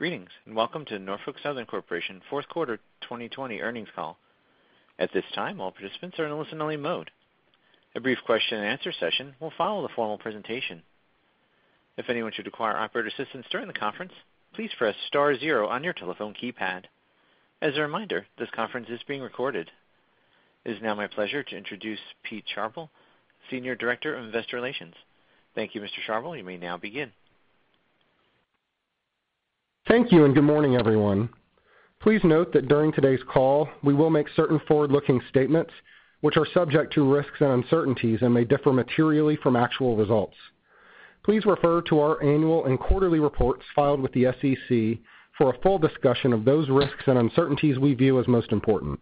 Greetings, and welcome to the Norfolk Southern Corp. fourth quarter 2020 earnings call. At this time, all participants are in a listen-only mode. A brief question-and-answer session will follow the formal presentation. If anyone should require operator assistance during the conference, please press star zero on your telephone keypad. As a reminder, this conference is being recorded. It is now my pleasure to introduce Pete Sharbel, Senior Director of Investor Relations. Thank you, Mr. Sharbel. You may now begin. Thank you, and good morning, everyone. Please note that during today's call, we will make certain forward-looking statements which are subject to risks and uncertainties and may differ materially from actual results. Please refer to our annual and quarterly reports filed with the SEC for a full discussion of those risks and uncertainties we view as most important.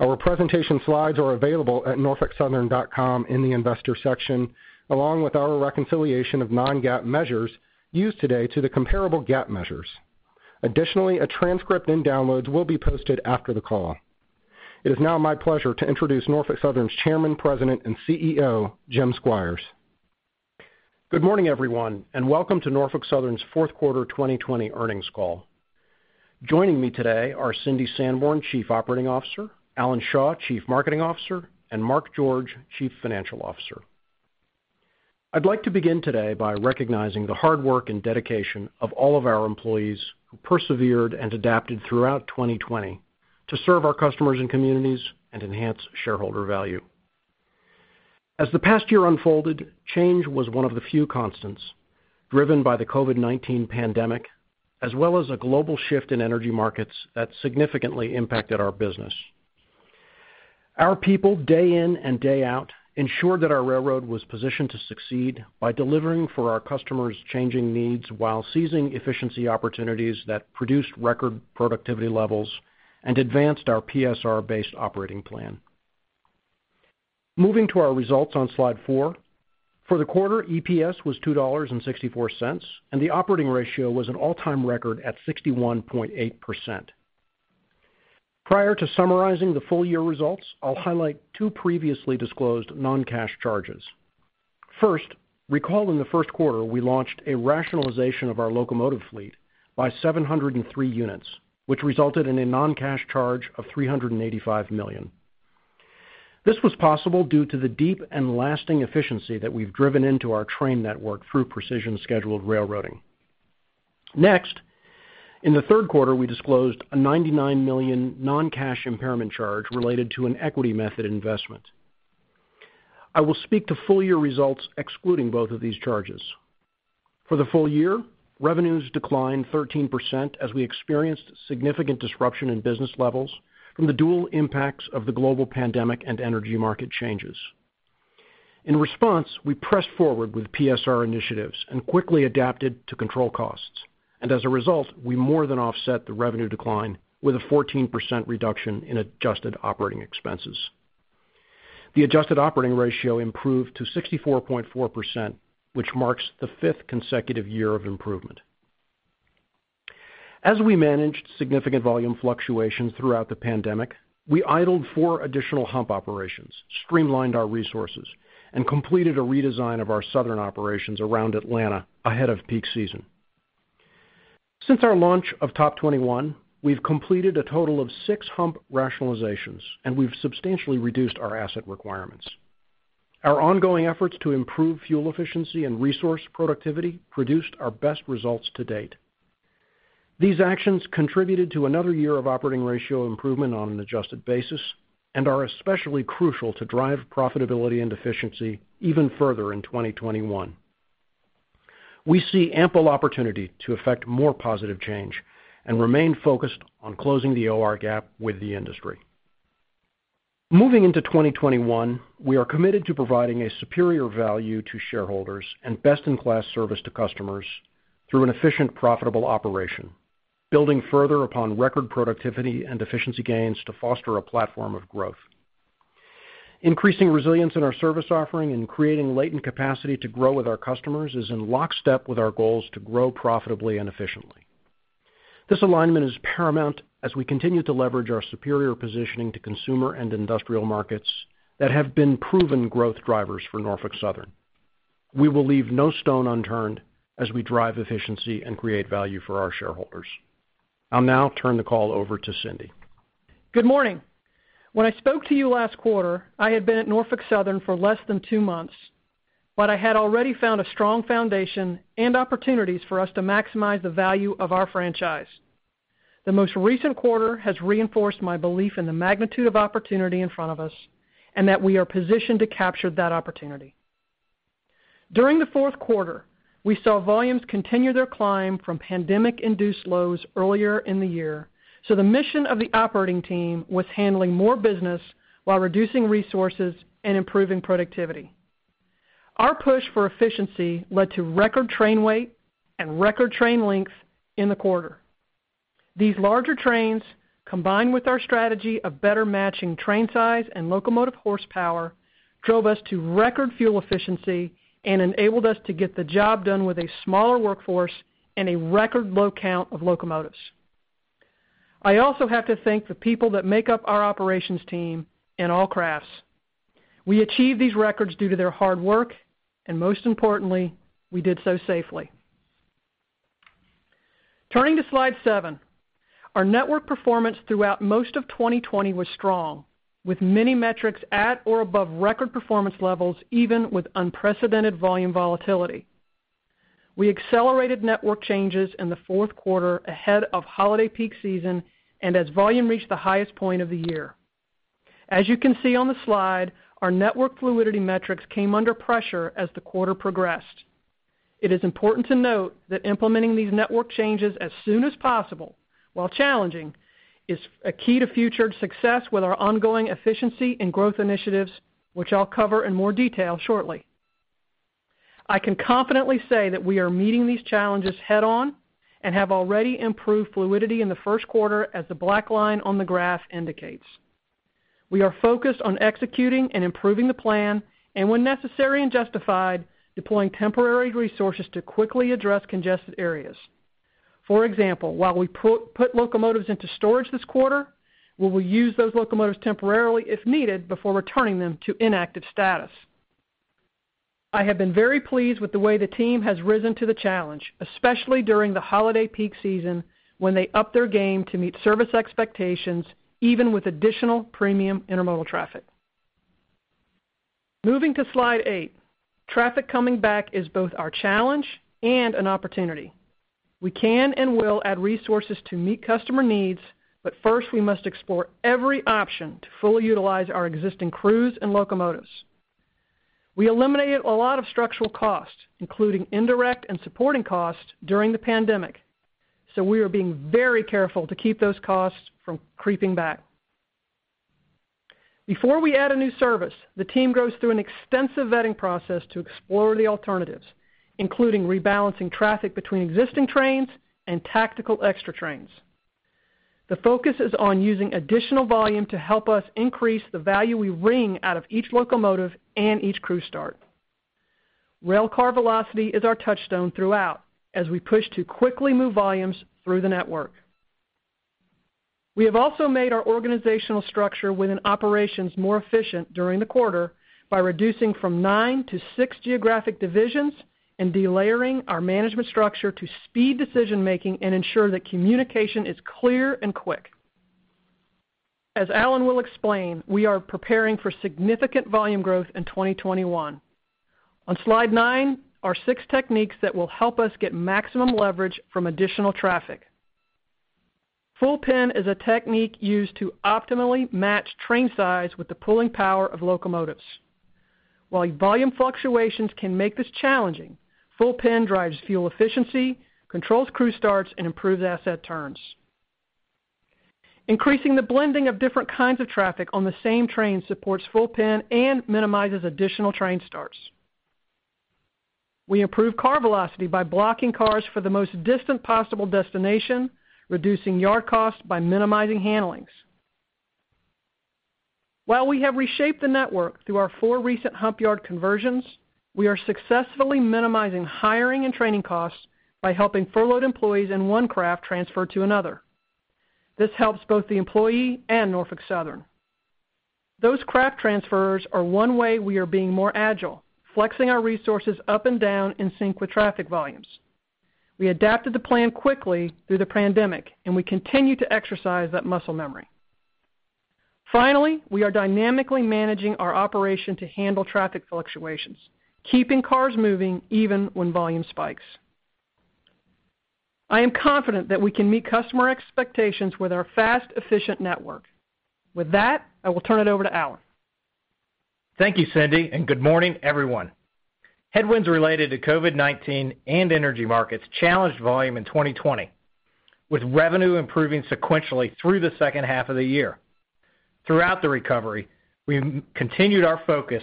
Our presentation slides are available at norfolksouthern.com in the investor section, along with our reconciliation of non-GAAP measures used today to the comparable GAAP measures. Additionally, a transcript and downloads will be posted after the call. It is now my pleasure to introduce Norfolk Southern's Chairman, President, and CEO, Jim Squires. Good morning, everyone, and welcome to Norfolk Southern's fourth quarter 2020 earnings call. Joining me today are Cindy Sanborn, Chief Operating Officer, Alan Shaw, Chief Marketing Officer, and Mark George, Chief Financial Officer. I'd like to begin today by recognizing the hard work and dedication of all of our employees, who persevered and adapted throughout 2020 to serve our customers and communities and enhance shareholder value. As the past year unfolded, change was one of the few constants, driven by the COVID-19 pandemic as well as a global shift in energy markets that significantly impacted our business. Our people, day in and day out, ensured that our railroad was positioned to succeed by delivering for our customers' changing needs while seizing efficiency opportunities that produced record productivity levels and advanced our PSR-based operating plan. Moving to our results on slide four, for the quarter, EPS was $2.64, and the operating ratio was an all-time record at 61.8%. Prior to summarizing the full-year results, I'll highlight two previously disclosed non-cash charges. First, recall in the first quarter, we launched a rationalization of our locomotive fleet by 703 units, which resulted in a non-cash charge of $385 million. This was possible due to the deep and lasting efficiency that we've driven into our train network through precision scheduled railroading. Next, in the third quarter, we disclosed a $99 million non-cash impairment charge related to an equity method investment. I will speak to full-year results excluding both of these charges. For the full year, revenues declined 13% as we experienced significant disruption in business levels from the dual impacts of the global pandemic and energy market changes. In response, we pressed forward with PSR initiatives and quickly adapted to control costs, and as a result, we more than offset the revenue decline with a 14% reduction in adjusted operating expenses. The adjusted operating ratio improved to 64.4%, which marks the fifth consecutive year of improvement. As we managed significant volume fluctuations throughout the pandemic, we idled four additional hump operations, streamlined our resources, and completed a redesign of our southern operations around Atlanta ahead of peak season. Since our launch of TOP21, we've completed a total of six hump rationalizations, and we've substantially reduced our asset requirements. Our ongoing efforts to improve fuel efficiency and resource productivity produced our best results to date. These actions contributed to another year of operating ratio improvement on an adjusted basis and are especially crucial to drive profitability and efficiency even further in 2021. We see ample opportunity to effect more positive change and remain focused on closing the OR gap with the industry. Moving into 2021, we are committed to providing a superior value to shareholders and best-in-class service to customers through an efficient, profitable operation, building further upon record productivity and efficiency gains to foster a platform of growth. Increasing resilience in our service offering and creating latent capacity to grow with our customers is in lockstep with our goals to grow profitably and efficiently. This alignment is paramount as we continue to leverage our superior positioning to consumer and industrial markets that have been proven growth drivers for Norfolk Southern. We will leave no stone unturned as we drive efficiency and create value for our shareholders. I'll now turn the call over to Cindy. Good morning. When I spoke to you last quarter, I had been at Norfolk Southern for less than two months, but I had already found a strong foundation and opportunities for us to maximize the value of our franchise. The most recent quarter has reinforced my belief in the magnitude of opportunity in front of us and that we are positioned to capture that opportunity. During the fourth quarter, we saw volumes continue their climb from pandemic-induced lows earlier in the year, so the mission of the operating team was handling more business while reducing resources and improving productivity. Our push for efficiency led to record train weight and record train lengths in the quarter. These larger trains, combined with our strategy of better matching train size and locomotive horsepower, drove us to record fuel efficiency and enabled us to get the job done with a smaller workforce and a record low count of locomotives. I also have to thank the people that make up our operations team in all crafts. We achieved these records due to their hard work, and most importantly, we did so safely. Turning to slide seven, our network performance throughout most of 2020 was strong, with many metrics at or above record performance levels, even with unprecedented volume volatility. We accelerated network changes in the fourth quarter ahead of holiday peak season and as volume reached the highest point of the year. As you can see on the slide, our network fluidity metrics came under pressure as the quarter progressed. It is important to note that implementing these network changes as soon as possible, while challenging, is a key to future success with our ongoing efficiency and growth initiatives, which I'll cover in more detail shortly. I can confidently say that we are meeting these challenges head-on and have already improved fluidity in the first quarter, as the black line on the graph indicates. We are focused on executing and improving the plan, and when necessary and justified, deploying temporary resources to quickly address congested areas. For example, while we put locomotives into storage this quarter, we will use those locomotives temporarily if needed before returning them to inactive status. I have been very pleased with the way the team has risen to the challenge, especially during the holiday peak season when they upped their game to meet service expectations, even with additional premium intermodal traffic. Moving to slide eight, traffic coming back is both our challenge and an opportunity. We can and will add resources to meet customer needs, but first we must explore every option to fully utilize our existing crews and locomotives. We eliminated a lot of structural costs, including indirect and supporting costs, during the pandemic. We are being very careful to keep those costs from creeping back. Before we add a new service, the team goes through an extensive vetting process to explore the alternatives, including rebalancing traffic between existing trains and tactical extra trains. The focus is on using additional volume to help us increase the value we wring out of each locomotive, and each crew start. Railcar velocity is our touchstone throughout as we push to quickly move volumes through the network. We have also made our organizational structure within operations more efficient during the quarter by reducing from nine to six geographic divisions and delayering our management structure to speed decision-making and ensure that communication is clear and quick. As Alan will explain, we are preparing for significant volume growth in 2021. On slide nine are six techniques that will help us get maximum leverage from additional traffic. Full pin is a technique used to optimally match train size with the pulling power of locomotives. While volume fluctuations can make this challenging, full pin drives fuel efficiency, control crew starts, and improve asset turns. Increasing the blending of different kinds of traffic on the same train supports full pin and minimizes additional train starts. We improve car velocity by blocking cars for the most distant possible destination, reducing yard costs by minimizing handling. While we have reshaped the network through our four recent hump yard conversions, we are successfully minimizing hiring and training costs by helping furloughed employees in one craft transfer to another. This helps both the employee and Norfolk Southern. Those craft transfers are one way we are being more agile, flexing our resources up and down in sync with traffic volumes. We adapted the plan quickly through the pandemic, and we continue to exercise that muscle memory. Finally, we are dynamically managing our operation to handle traffic fluctuations, keeping cars moving even when volume spikes. I am confident that we can meet customer expectations with our fast, efficient network. With that, I will turn it over to Alan. Thank you, Cindy. Good morning, everyone. Headwinds related to COVID-19 and energy markets challenged volume in 2020, with revenue improving sequentially through the second half of the year. Throughout the recovery, we continued our focus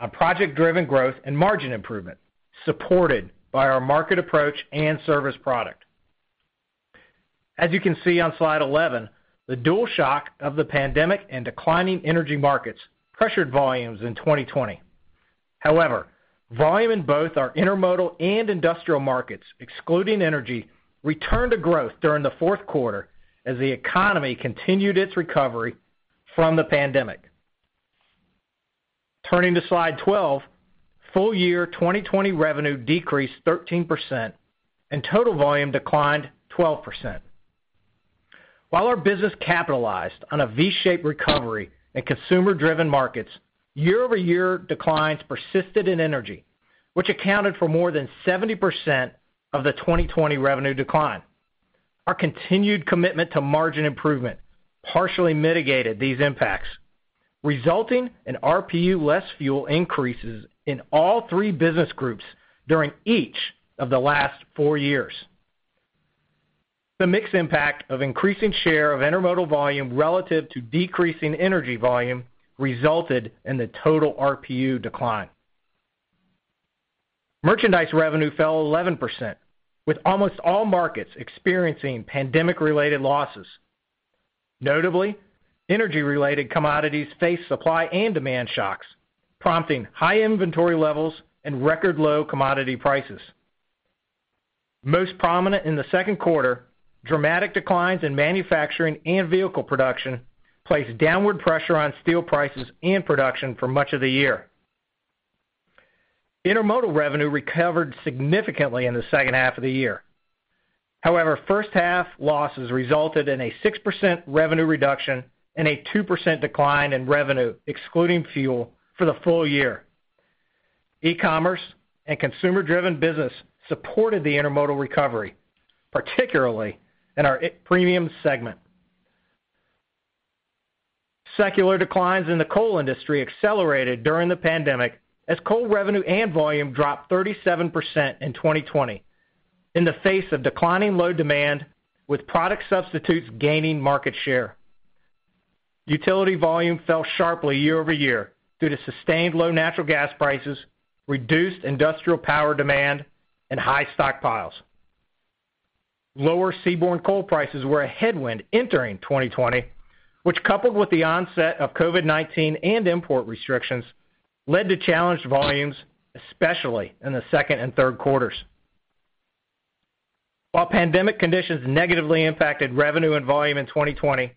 on project-driven growth and margin improvement, supported by our market approach and service product. As you can see on slide 11, the dual shock of the pandemic and declining energy markets pressured volumes in 2020. Volume in both our intermodal and industrial markets, excluding energy, returned to growth during the fourth quarter as the economy continued its recovery from the pandemic. Turning to slide 12, full-year 2020 revenue decreased 13%, and total volume declined 12%. While our business capitalized on a V-shaped recovery in consumer-driven markets, year-over-year declines persisted in energy, which accounted for more than 70% of the 2020 revenue decline. Our continued commitment to margin improvement partially mitigated these impacts, resulting in RPU less fuel increases in all three business groups during each of the last four years. The mixed impact of increasing share of intermodal volume relative to decreasing energy volume resulted in the total RPU decline. Merchandise revenue fell 11%, with almost all markets experiencing pandemic-related losses. Notably, energy-related commodities faced supply and demand shocks, prompting high inventory levels and record-low commodity prices. Most prominent in the second quarter, dramatic declines in manufacturing and vehicle production placed downward pressure on steel prices and production for much of the year. Intermodal revenue recovered significantly in the second half of the year. First half losses resulted in a 6% revenue reduction and a 2% decline in revenue, excluding fuel, for the full year. E-commerce and consumer-driven business supported the intermodal recovery, particularly in our premium segment. Secular declines in the coal industry accelerated during the pandemic as coal revenue and volume dropped 37% in 2020, in the face of declining load demand with product substitutes gaining market share. Utility volume fell sharply year-over-year due to sustained low natural gas prices, reduced industrial power demand, and high stockpiles. Lower seaborne coal prices were a headwind entering 2020, which, coupled with the onset of COVID-19 and import restrictions, led to challenged volumes, especially in the second and third quarters. While pandemic conditions negatively impacted revenue and volume in 2020,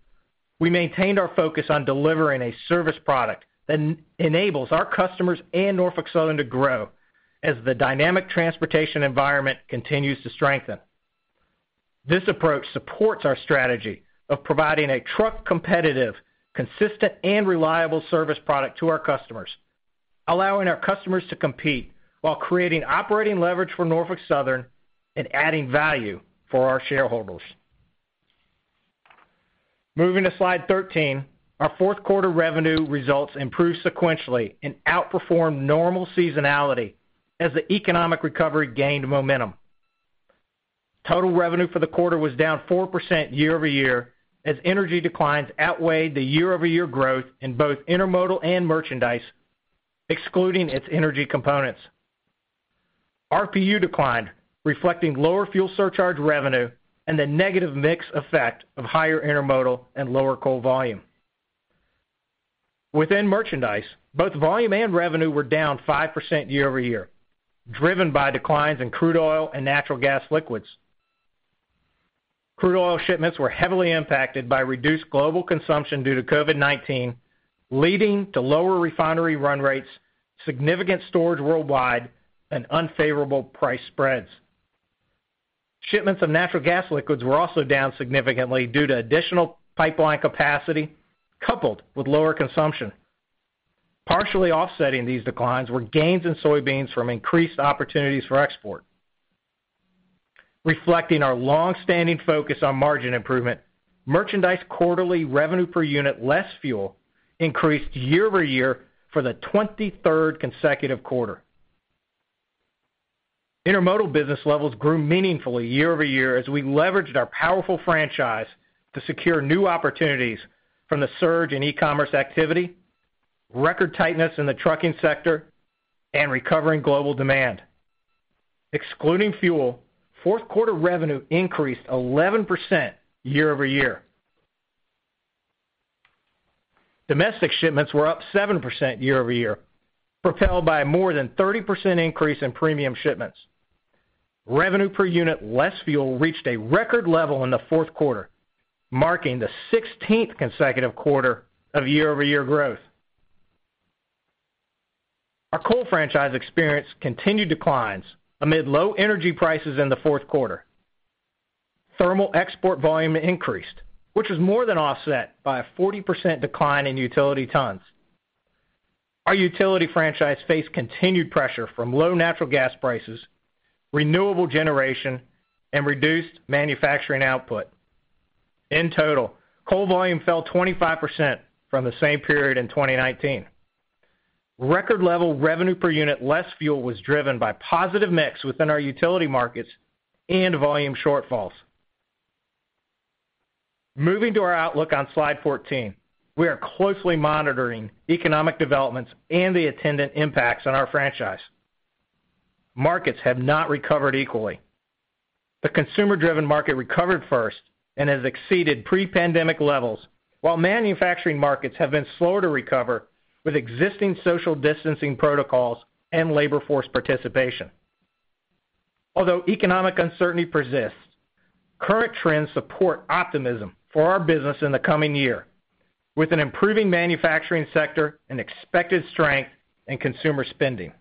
we maintained our focus on delivering a service product that enables our customers and Norfolk Southern to grow as the dynamic transportation environment continues to strengthen. This approach supports our strategy of providing a truck-competitive, consistent, and reliable service product to our customers, allowing our customers to compete while creating operating leverage for Norfolk Southern and adding value for our shareholders. Moving to slide 13, our fourth quarter revenue results improved sequentially and outperformed normal seasonality as the economic recovery gained momentum. Total revenue for the quarter was down 4% year-over-year as energy declines outweighed the year-over-year growth in both intermodal and merchandise, excluding its energy components. RPU declined, reflecting lower fuel surcharge revenue and the negative mix effect of higher intermodal and lower coal volume. Within merchandise, both volume and revenue were down 5% year-over-year, driven by declines in crude oil and natural gas liquids. Crude oil shipments were heavily impacted by reduced global consumption due to COVID-19, leading to lower refinery run rates, significant storage worldwide, and unfavorable price spreads. Shipments of natural gas liquids were also down significantly due to additional pipeline capacity coupled with lower consumption. Partially offsetting these declines were gains in soybeans from increased opportunities for export. Reflecting our longstanding focus on margin improvement, merchandise quarterly revenue per unit, less fuel, increased year-over-year for the 23rd consecutive quarter. Intermodal business levels grew meaningfully year-over-year as we leveraged our powerful franchise to secure new opportunities from the surge in e-commerce activity, record tightness in the trucking sector, and recovering global demand. Excluding fuel, fourth quarter revenue increased 11% year-over-year. Domestic shipments were up 7% year-over-year, propelled by a more than 30% increase in premium shipments. Revenue per unit, less fuel, reached a record level in the fourth quarter, marking the 16th consecutive quarter of year-over-year growth. Our coal franchise experienced continued declines amid low energy prices in the fourth quarter. Thermal export volume increased, which was more than offset by a 40% decline in utility tons. Our utility franchise faced continued pressure from low natural gas prices, renewable generation, and reduced manufacturing output. In total, coal volume fell 25% from the same period in 2019. Record-level revenue per unit, less fuel, was driven by positive mix within our utility markets and volume shortfalls. Moving to our outlook on slide 14, we are closely monitoring economic developments and the attendant impacts on our franchise. Markets have not recovered equally. The consumer-driven market recovered first and has exceeded pre-pandemic levels, while manufacturing markets have been slower to recover with existing social distancing protocols and labor force participation. Although economic uncertainty persists, current trends support optimism for our business in the coming year, with an improving manufacturing sector and expected strength in consumer spending.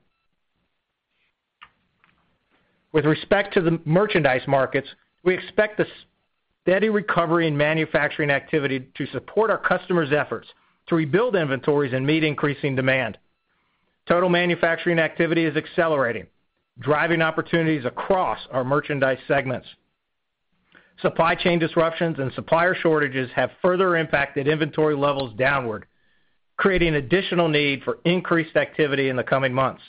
With respect to the merchandise markets, we expect a steady recovery in manufacturing activity to support our customers' efforts to rebuild inventories and meet increasing demand. Total manufacturing activity is accelerating, driving opportunities across our merchandise segments. Supply chain disruptions and supplier shortages have further impacted inventory levels downward, creating an additional need for increased activity in the coming months.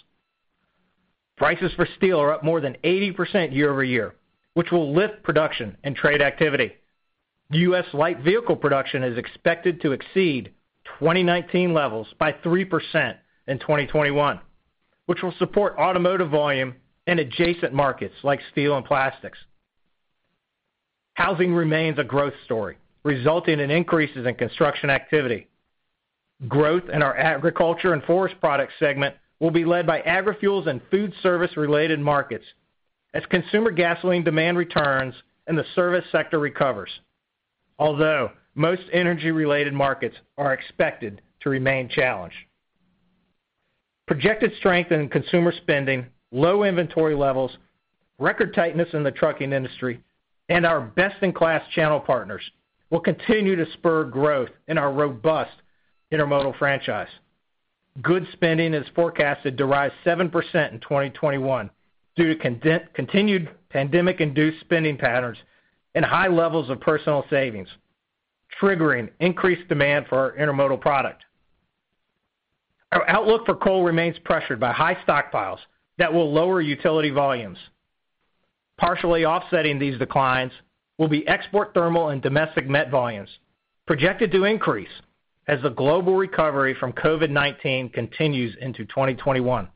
Prices for steel are up more than 80% year-over-year, which will lift production and trade activity. U.S. light vehicle production is expected to exceed 2019 levels by 3% in 2021, which will support automotive volume in adjacent markets like steel and plastics. Housing remains a growth story, resulting in increases in construction activity. Growth in our agriculture and forest product segment will be led by agrofuels and food service-related markets as consumer gasoline demand returns and the service sector recovers, although most energy-related markets are expected to remain challenged. Projected strength in consumer spending, low inventory levels, record tightness in the trucking industry, and our best-in-class channel partners will continue to spur growth in our robust intermodal franchise. Goods spending is forecasted to rise 7% in 2021 due to continued pandemic-induced spending patterns and high levels of personal savings, triggering increased demand for our intermodal product. Our outlook for coal remains pressured by high stockpiles that will lower utility volumes. Partially offsetting these declines will be export thermal and domestic met volumes, projected to increase as the global recovery from COVID-19 continues into 2021.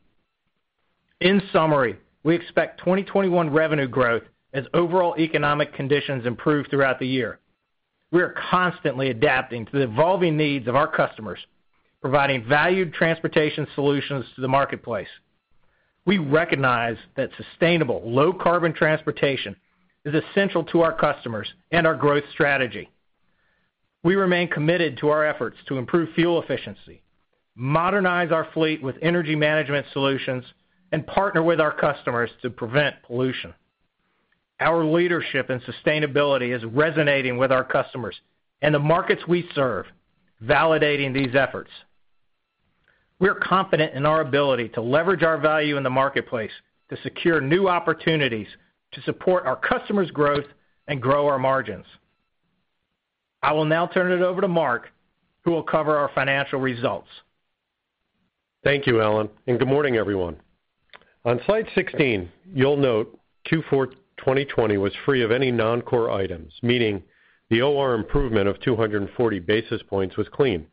In summary, we expect 2021 revenue growth as overall economic conditions improve throughout the year. We are constantly adapting to the evolving needs of our customers, providing valued transportation solutions to the marketplace. We recognize that sustainable, low-carbon transportation is essential to our customers and our growth strategy. We remain committed to our efforts to improve fuel efficiency, modernize our fleet with energy management solutions, and partner with our customers to prevent pollution. Our leadership and sustainability is resonating with our customers and the markets we serve, validating these efforts. We're confident in our ability to leverage our value in the marketplace to secure new opportunities to support our customers' growth and grow our margins. I will now turn it over to Mark, who will cover our financial results. Thank you, Alan. Good morning, everyone. On slide 16, you'll note Q4 2020 was free of any non-core items, meaning the OR improvement of 240 basis points was clean.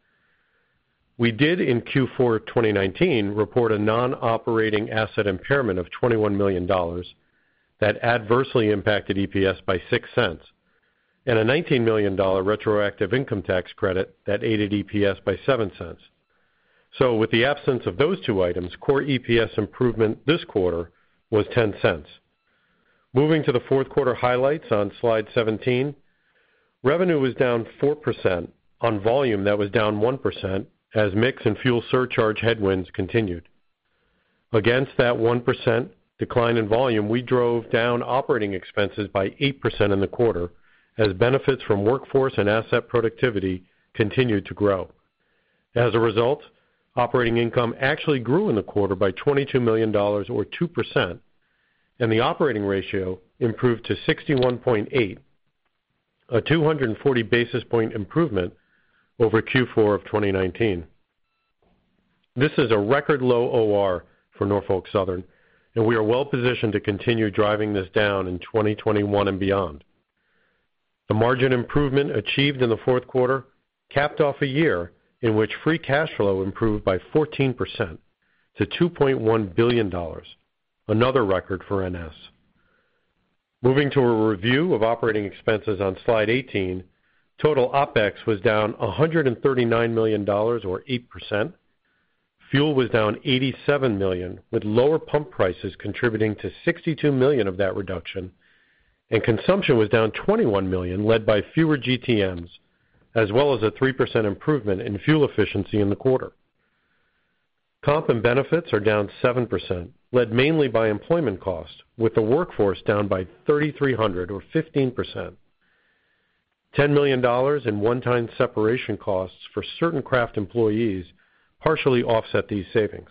We did, in Q4 2019, report a non-operating asset impairment of $21 million that adversely impacted EPS by $0.06, and a $19 million retroactive income tax credit that aided EPS by $0.07. With the absence of those two items, core EPS improvement this quarter was $0.10. Moving to the fourth quarter highlights on slide 17, revenue was down 4% on volume that was down 1% as mix and fuel surcharge headwinds continued. Against that 1% decline in volume, we drove down operating expenses by 8% in the quarter, as benefits from workforce and asset productivity continued to grow. As a result, operating income actually grew in the quarter by $22 million, or 2%, and the operating ratio improved to 61.8, a 240-basis-point improvement over Q4 of 2019. This is a record low OR for Norfolk Southern, and we are well-positioned to continue driving this down in 2021 and beyond. The margin improvement achieved in the fourth quarter capped off a year in which free cash flow improved by 14% to $2.1 billion, another record for NS. Moving to a review of operating expenses on slide 18, total OpEx was down $139 million, or 8%. Fuel was down $87 million, with lower pump prices contributing to $62 million of that reduction, and consumption was down $21 million, led by fewer GTMs, as well as a 3% improvement in fuel efficiency in the quarter. Comp and benefits are down 7%, led mainly by employment costs, with the workforce down by 3,300 or 15%. $10 million in one-time separation costs for certain craft employees partially offset these savings.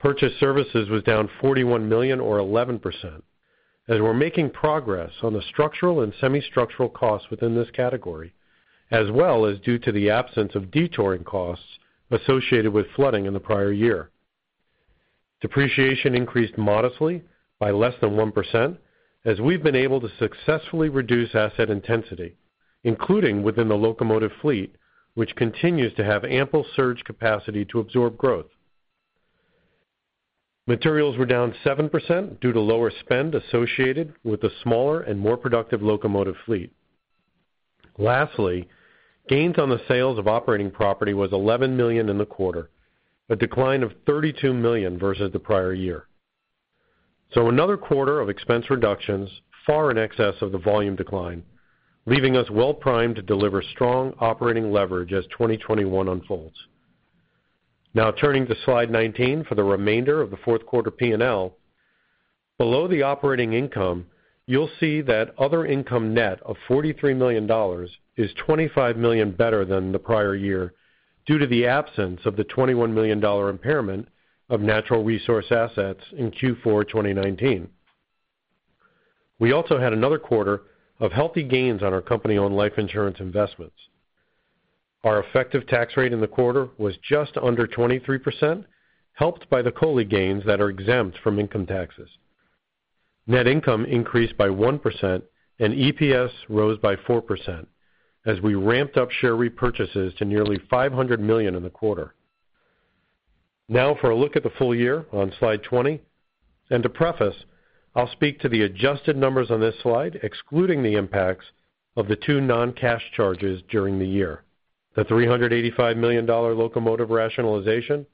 Purchased services was down $41 million, or 11%, as we're making progress on the structural and semi-structural costs within this category, as well as due to the absence of detouring costs associated with flooding in the prior year. Depreciation increased modestly by less than 1% as we've been able to successfully reduce asset intensity, including within the locomotive fleet, which continues to have ample surge capacity to absorb growth. Materials were down 7% due to lower spend associated with the smaller and more productive locomotive fleet. Lastly, gains on the sales of operating property was $11 million in the quarter, a decline of $32 million versus the prior year. Another quarter of expense reductions far in excess of the volume decline, leaving us well-primed to deliver strong operating leverage as 2021 unfolds. Turning to slide 19 for the remainder of the fourth quarter P&L. Below the operating income, you'll see that other income net of $43 million is $25 million better than the prior year due to the absence of the $21 million impairment of natural resource assets in Q4 2019. We also had another quarter of healthy gains on our company-owned life insurance investments. Our effective tax rate in the quarter was just under 23%, helped by the COLI gains that are exempt from income taxes. Net income increased by 1% and EPS rose by 4% as we ramped up share repurchases to nearly $500 million in the quarter. For a look at the full year on slide 20. To preface, I'll speak to the adjusted numbers on this slide, excluding the impacts of the two non-cash charges during the year, the $385 million locomotive rationalization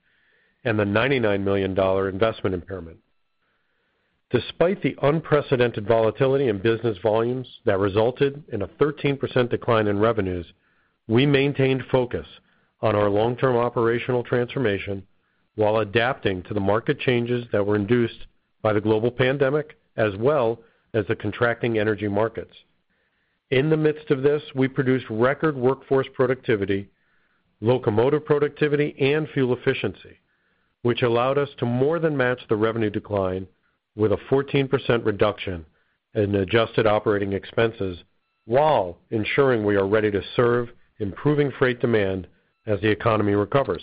and the $99 million investment impairment. Despite the unprecedented volatility in business volumes that resulted in a 13% decline in revenues, we maintained focus on our long-term operational transformation while adapting to the market changes that were induced by the global pandemic as well as the contracting energy markets. In the midst of this, we produced record workforce productivity, locomotive productivity, and fuel efficiency, which allowed us to more than match the revenue decline with a 14% reduction in adjusted operating expenses while ensuring we are ready to serve improving freight demand as the economy recovers.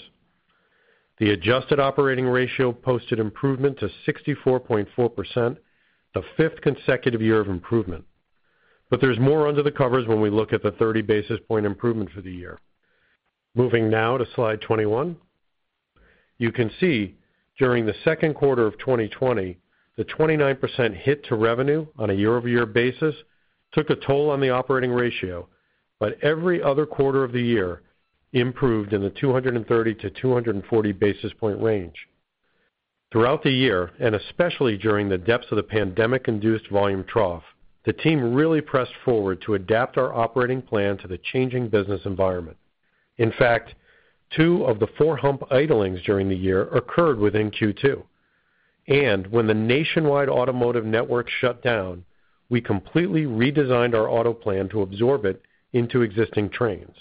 The adjusted operating ratio posted improvement to 64.4%, the fifth consecutive year of improvement. There's more under the covers when we look at the 30 basis point improvement for the year. Moving now to slide 21. You can see during the second quarter of 2020, the 29% hit to revenue on a year-over-year basis took a toll on the operating ratio, but every other quarter of the year improved in the 230-240 basis point range. Throughout the year, and especially during the depths of the pandemic-induced volume trough, the team really pressed forward to adapt our operating plan to the changing business environment. In fact, two of the four hump idlings during the year occurred within Q2. When the nationwide automotive network shut down, we completely redesigned our auto plan to absorb it into existing trains.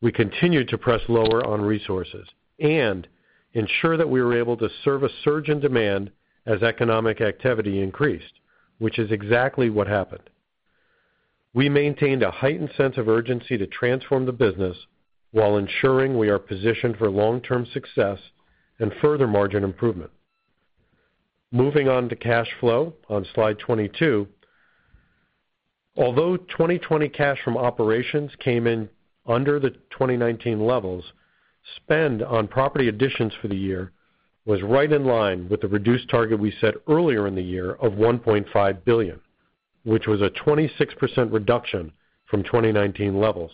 We continued to press lower on resources and ensure that we were able to serve a surge in demand as economic activity increased, which is exactly what happened. We maintained a heightened sense of urgency to transform the business while ensuring we are positioned for long-term success and further margin improvement. Moving on to cash flow on slide 22. Although 2020 cash from operations came in under the 2019 levels, spend on property additions for the year was right in line with the reduced target we set earlier in the year of $1.5 billion, which was a 26% reduction from 2019 levels.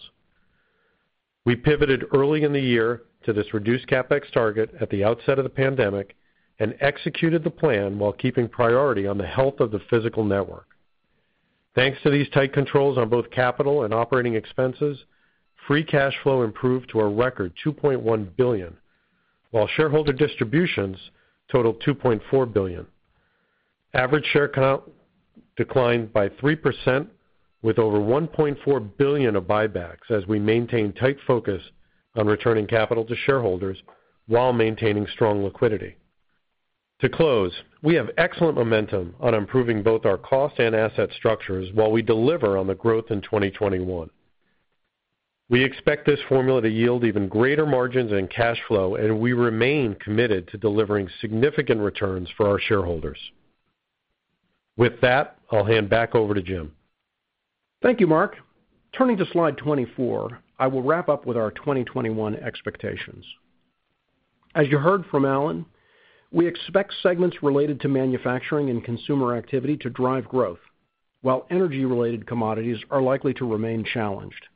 We pivoted early in the year to this reduced CapEx target at the outset of the pandemic and executed the plan while keeping priority on the health of the physical network. Thanks to these tight controls on both capital and operating expenses, free cash flow improved to a record $2.1 billion, while shareholder distributions totaled $2.4 billion. Average share count declined by 3% with over $1.4 billion of buybacks as we maintain a tight focus on returning capital to shareholders while maintaining strong liquidity. To close, we have excellent momentum on improving both our cost and asset structures while we deliver on the growth in 2021. We expect this formula to yield even greater margins and cash flow, and we remain committed to delivering significant returns for our shareholders. With that, I'll hand back over to Jim. Thank you, Mark. Turning to slide 24, I will wrap up with our 2021 expectations. As you heard from Alan, we expect segments related to manufacturing and consumer activity to drive growth, while energy-related commodities are likely to remain challenged.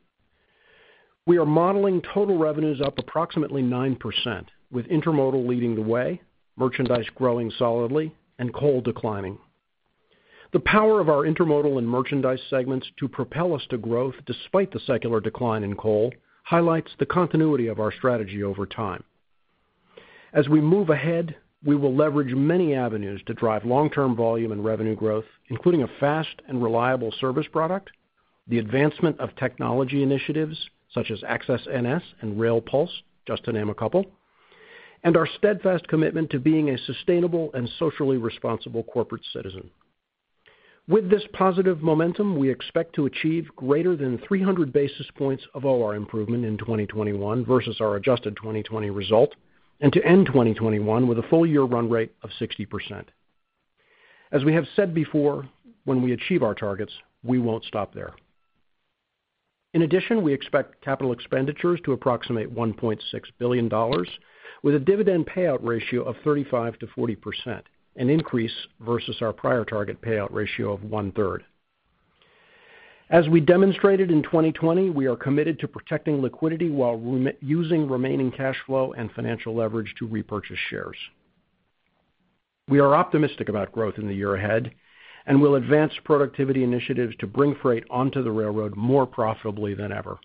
We are modeling total revenues up approximately 9%, with intermodal leading the way, merchandise growing solidly, and coal declining. The power of our intermodal and merchandise segments to propel us to growth despite the secular decline in coal highlights the continuity of our strategy over time. As we move ahead, we will leverage many avenues to drive long-term volume and revenue growth, including a fast and reliable service product, the advancement of technology initiatives such as AccessNS and RailPulse, just to name a couple, and our steadfast commitment to being a sustainable and socially responsible corporate citizen. With this positive momentum, we expect to achieve greater than 300 basis points of OR improvement in 2021 versus our adjusted 2020 result and to end 2021 with a full year run rate of 60%. As we have said before, when we achieve our targets, we won't stop there. In addition, we expect capital expenditures to approximate $1.6 billion, with a dividend payout ratio of 35%-40%, an increase versus our prior target payout ratio of one-third. As we demonstrated in 2020, we are committed to protecting liquidity while using remaining cash flow and financial leverage to repurchase shares. We are optimistic about growth in the year ahead and will advance productivity initiatives to bring freight onto the railroad more profitably than ever.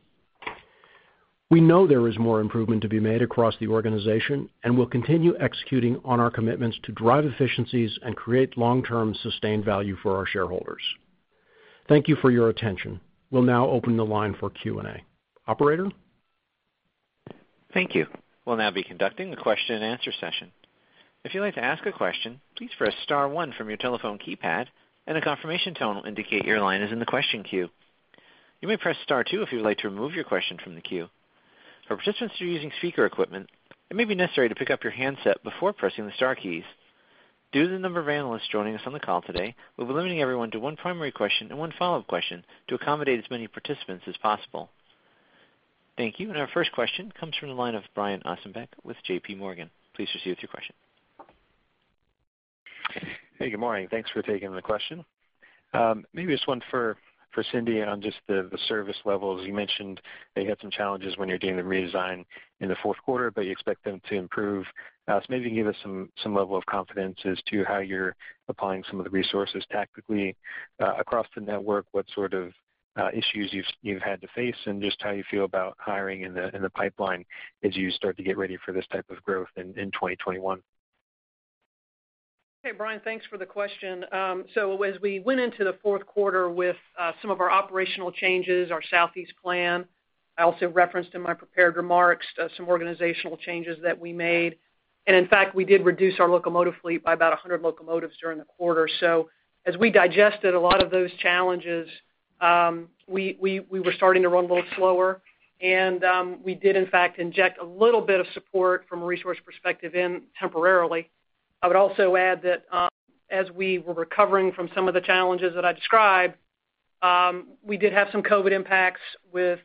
We know there is more improvement to be made across the organization and will continue executing on our commitments to drive efficiencies and create long-term sustained value for our shareholders. Thank you for your attention. We'll now open the line for Q&A. Operator? Thank you. We'll now be conducting the question-and-answer session. If you'd like to ask a question, please press star one from your telephone keypad, and a confirmation tone will indicate your line is in the question queue. You may press star two if you would like to remove your question from the queue. For participants who are using speaker equipment, it may be necessary to pick up your handset before pressing the star keys. Due to the number of analysts joining us on the call today, we'll be limiting everyone to one primary question and one follow-up question to accommodate as many participants as possible. Thank you. Our first question comes from the line of Brian Ossenbeck with JPMorgan. Please proceed with your question. Hey, good morning. Thanks for taking the question. Maybe this one for Cindy on just the service levels. You mentioned that you had some challenges when you're doing the redesign in the fourth quarter, but you expect them to improve. Maybe you can give us some level of confidence as to how you're applying some of the resources tactically across the network, what sort of issues you've had to face, and just how you feel about hiring in the pipeline as you start to get ready for this type of growth in 2021. Hey, Brian. Thanks for the question. As we went into the fourth quarter with some of our operational changes, our Southeast plan, I also referenced in my prepared remarks some organizational changes that we made. In fact, we did reduce our locomotive fleet by about 100 locomotives during the quarter. As we digested a lot of those challenges, we were starting to run a little slower. We did in fact, inject a little bit of support from a resource perspective in temporarily. I would also add that, as we were recovering from some of the challenges that I described, we did have some COVID impacts with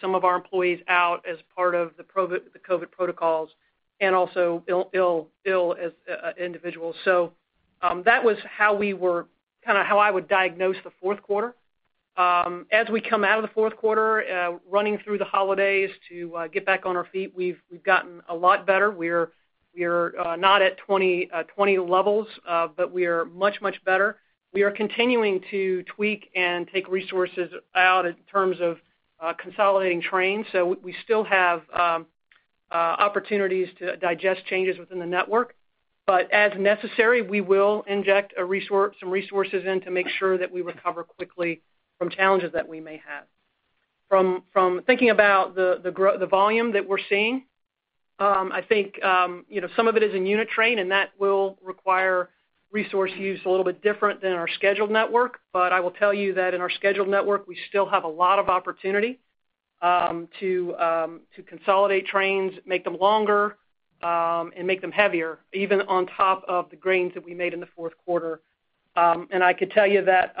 some of our employees out as part of the COVID protocols, and also ill individuals. That was how I would diagnose the fourth quarter. As we come out of the fourth quarter, running through the holidays to get back on our feet, we've gotten a lot better. We're not at 2020 levels, we are much, much better. We are continuing to tweak and take resources out in terms of consolidating trains. We still have opportunities to digest changes within the network. As necessary, we will inject some resources in to make sure that we recover quickly from challenges that we may have. From thinking about the volume that we're seeing, I think some of it is in unit train, and that will require resource use a little bit different than our scheduled network. I will tell you that in our scheduled network, we still have a lot of opportunity to consolidate trains, make them longer, and make them heavier, even on top of the gains that we made in the fourth quarter. I could tell you that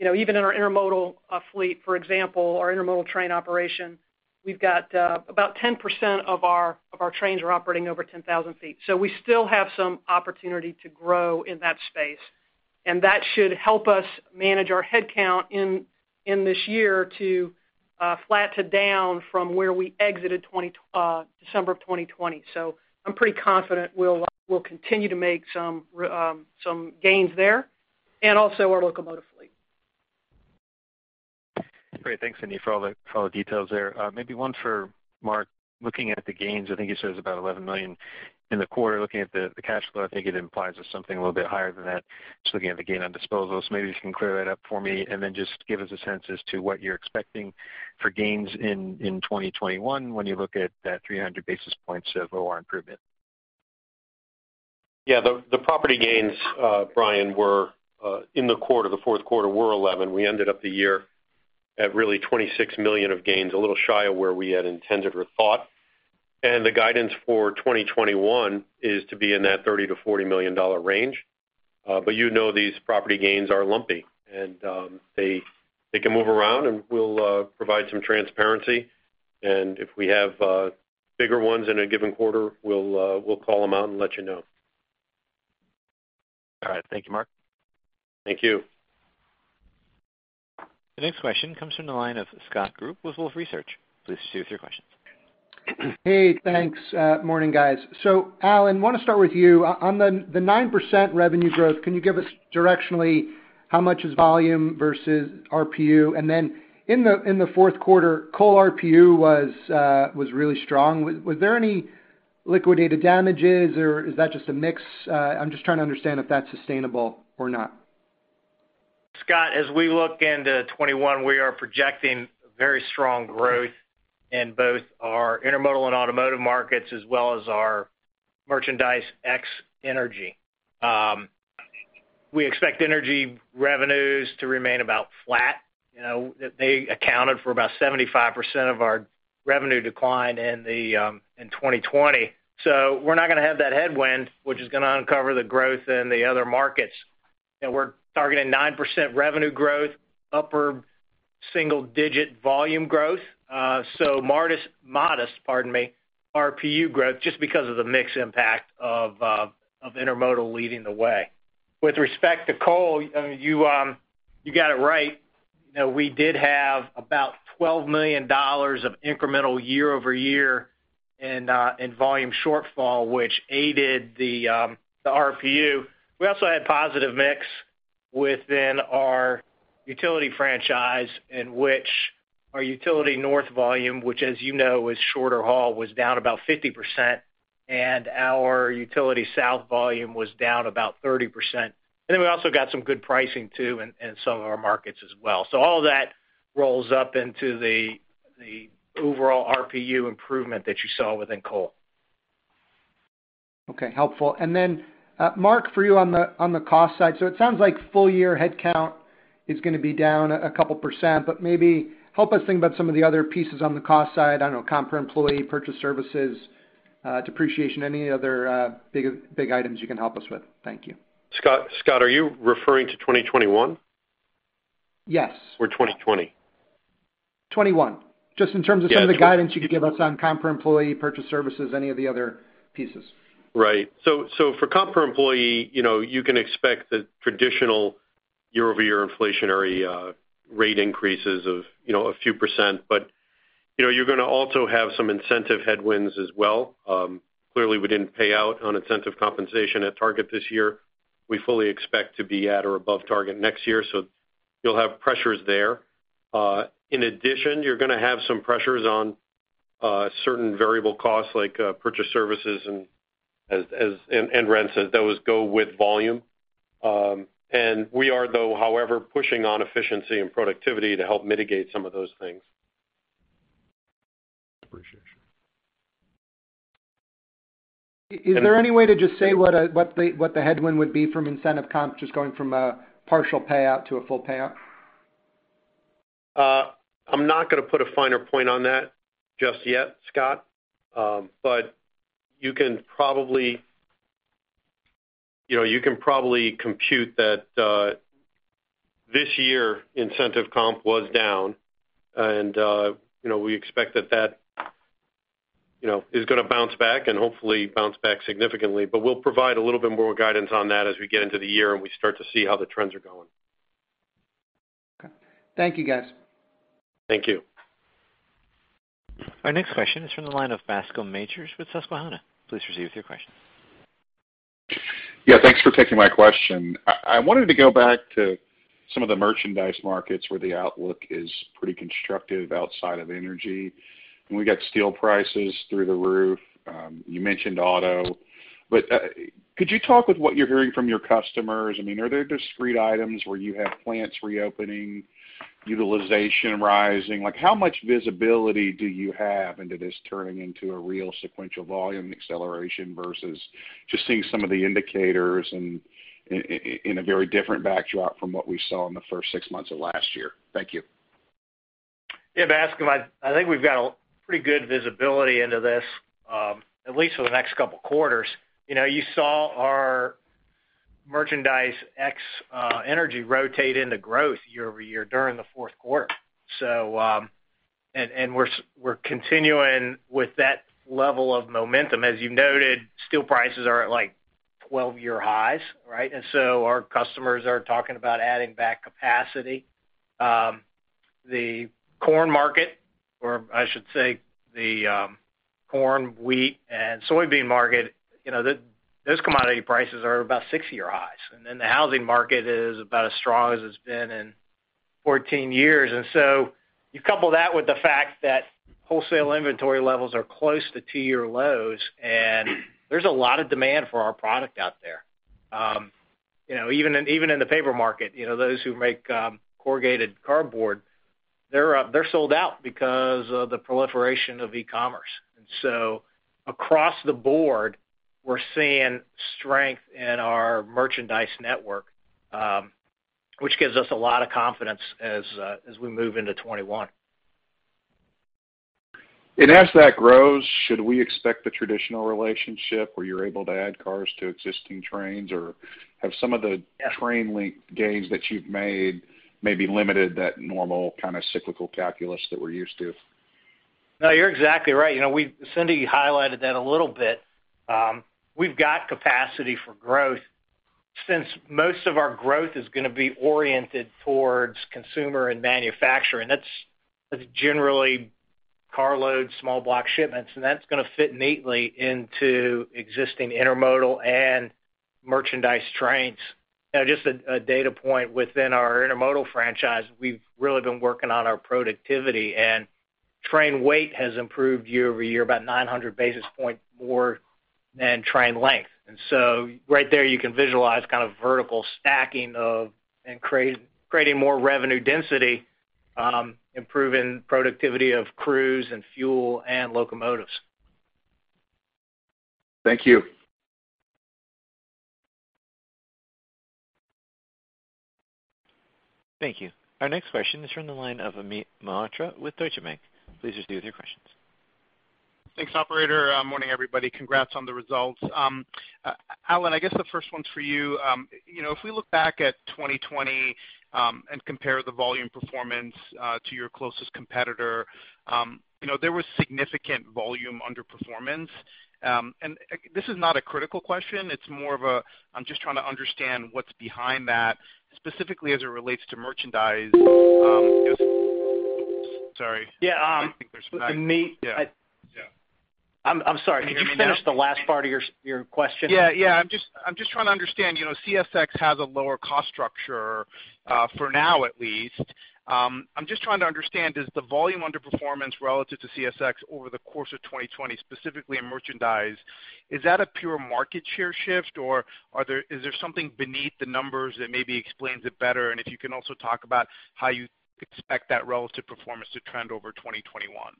even in our intermodal fleet, for example, our intermodal train operation, we've got about 10% of our trains are operating over 10,000 feet. We still have some opportunity to grow in that space. That should help us manage our headcount in this year to flat to down from where we exited December 2020. I'm pretty confident we'll continue to make some gains there and also our locomotive fleet. Great. Thanks, Cindy, for all the details there. Maybe one for Mark. Looking at the gains, I think you said it was about $11 million in the quarter. Looking at the cash flow, I think it implies something a little bit higher than that. Just looking at the gain on disposals. Maybe if you can clear that up for me, just give us a sense as to what you're expecting for gains in 2021 when you look at that 300 basis points of OR improvement. Yeah. The property gains, Brian, in the fourth quarter were $11 million. We ended up the year at really $26 million of gains, a little shy of where we had intended or thought. The guidance for 2021 is to be in that $30 million-$40 million range. You know this property gains are lumpy, and they can move around, and we'll provide some transparency. If we have bigger ones in a given quarter, we'll call them out and let you know. All right. Thank you, Mark. Thank you. The next question comes from the line of Scott Group with Wolfe Research. Please proceed with your questions. Hey, thanks. Morning, guys. Alan, want to start with you. On the 9% revenue growth, can you give us directionally how much is volume versus RPU? In the fourth quarter, coal RPU was really strong. Was there any liquidated damages or is that just a mix? I'm just trying to understand if that's sustainable or not. Scott, as we look into 2021, we are projecting very strong growth in both our intermodal and automotive markets as well as our merchandise ex energy. We expect energy revenues to remain about flat. They accounted for about 75% of our revenue decline in 2020. We're not going to have that headwind, which is going to uncover the growth in the other markets. We're targeting 9% revenue growth, upper single-digit volume growth. Modest RPU growth just because of the mix impact of intermodal leading the way. With respect to coal, you got it right. We did have about $12 million of incremental year-over-year in volume shortfall, which aided the RPU. We also had positive mix within our utility franchise in which our utility north volume, which as you know is shorter haul, was down about 50%, and our utility south volume was down about 30%. We also got some good pricing too in some of our markets as well. All of that rolls up into the overall RPU improvement that you saw within coal. Okay, helpful. Mark, for you on the cost side. It sounds like full year headcount is going to be down a couple percent but maybe help us think about some of the other pieces on the cost side. I don't know, comp per employee, purchase services, depreciation, any other big items you can help us with. Thank you. Scott, are you referring to 2021? Yes. 2020? 2021. Just in terms of some of the guidance you could give us on comp per employee, purchase services, any of the other pieces. Right. For comp per employee, you can expect the traditional year-over-year inflationary rate increases of a few percent. You're going to also have some incentive headwinds as well. Clearly, we didn't pay out on incentive compensation at target this year. We fully expect to be at or above target next year, you'll have pressures there. In addition, you're going to have some pressures on certain variable costs, like purchase services and rents, as those go with volume. We are though, however, pushing on efficiency and productivity to help mitigate some of those things. Appreciate it. Is there any way to just say what the headwind would be from incentive comp, just going from a partial payout to a full payout? I'm not going to put a finer point on that just yet, Scott. You can probably compute that this year, incentive comp was down. We expect that is going to bounce back and hopefully bounce back significantly. We'll provide a little bit more guidance on that as we get into the year and we start to see how the trends are going. Okay. Thank you, guys. Thank you. Our next question is from the line of Bascome Majors with Susquehanna. Please proceed with your question. Yeah, thanks for taking my question. I wanted to go back to some of the merchandise markets where the outlook is pretty constructive outside of energy, and we've got steel prices through the roof. You mentioned auto. Could you talk with what you're hearing from your customers? Are there discrete items where you have plants reopening, utilization rising? How much visibility do you have into this turning into a real sequential volume acceleration versus just seeing some of the indicators in a very different backdrop from what we saw in the first six months of last year? Thank you. Yeah, Bascome, I think we've got a pretty good visibility into this, at least for the next couple of quarters. You saw our merchandise ex energy rotate into growth year-over-year during the fourth quarter. We're continuing with that level of momentum. As you noted, steel prices are at 12-year highs, right? Our customers are talking about adding back capacity. The corn market, or I should say the corn, wheat, and soybean market, those commodity prices are about six-year highs. The housing market is about as strong as it's been in 14 years. You couple that with the fact that wholesale inventory levels are close to two-year lows, and there's a lot of demand for our product out there. Even in the paper market, those who make corrugated cardboard, they're sold out because of the proliferation of e-commerce. Across the board, we're seeing strength in our merchandise network, which gives us a lot of confidence as we move into 2021. As that grows, should we expect the traditional relationship where you're able to add cars to existing trains? Or have some of the train length gains that you've made maybe limited that normal kind of cyclical calculus that we're used to? No, you're exactly right. Cindy highlighted that a little bit. We've got capacity for growth since most of our growth is going to be oriented towards consumer and manufacturing. That's generally carload, small block shipments, and that's going to fit neatly into existing intermodal and merchandise trains. Just a data point within our intermodal franchise, we've really been working on our productivity. Train weight has improved year-over-year, about 900 basis points more than train length. Right there, you can visualize kind of vertical stacking and creating more revenue density, improving productivity of crews and fuel and locomotives. Thank you. Thank you. Our next question is from the line of Amit Mehrotra with Deutsche Bank. Please proceed with your questions. Thanks, operator. Morning, everybody. Congrats on the results. Alan, I guess the first one's for you. If we look back at 2020 and compare the volume performance to your closest competitor, there was significant volume underperformance. This is not a critical question, I'm just trying to understand what's behind that, specifically as it relates to merchandise. Sorry. Yeah. I think. Yeah. I'm sorry. Could you finish the last part of your question? I'm just trying to understand. CSX has a lower cost structure for now at least. I'm just trying to understand, is the volume underperformance relative to CSX over the course of 2020, specifically in merchandise, is that a pure market share shift, or is there something beneath the numbers that maybe explains it better? If you can also talk about how you expect that relative performance to trend over 2021. Yeah,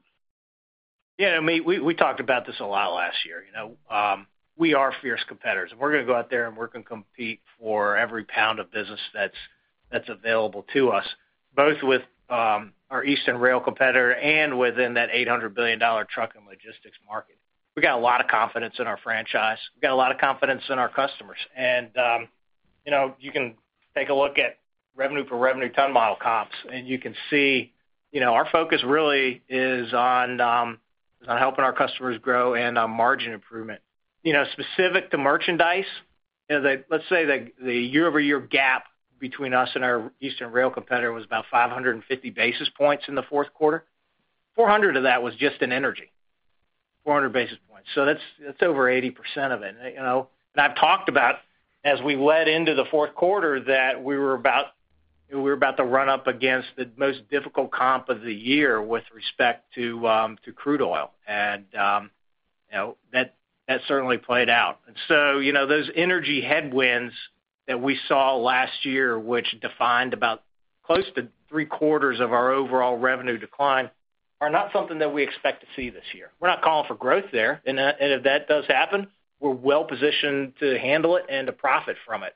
Amit, we talked about this a lot last year. We are fierce competitors, and we're going to go out there and we're going to compete for every pound of business that's available to us, both with our eastern rail competitor and within that $800 billion truck and logistics market. We got a lot of confidence in our franchise. We got a lot of confidence in our customers. You can take a look at revenue per revenue ton mile comps, and you can see, our focus really is on helping our customers grow and on margin improvement. Specific to merchandise, let's say the year-over-year gap between us and our eastern rail competitor was about 550 basis points in the fourth quarter. 400 of that was just in energy, 400 basis points. That's over 80% of it. I've talked about, as we led into the fourth quarter, that we were about to run up against the most difficult comp of the year with respect to crude oil. That certainly played out. Those energy headwinds that we saw last year, which defined about close to three-quarters of our overall revenue decline, are not something that we expect to see this year. We're not calling for growth there. If that does happen, we're well-positioned to handle it and to profit from it.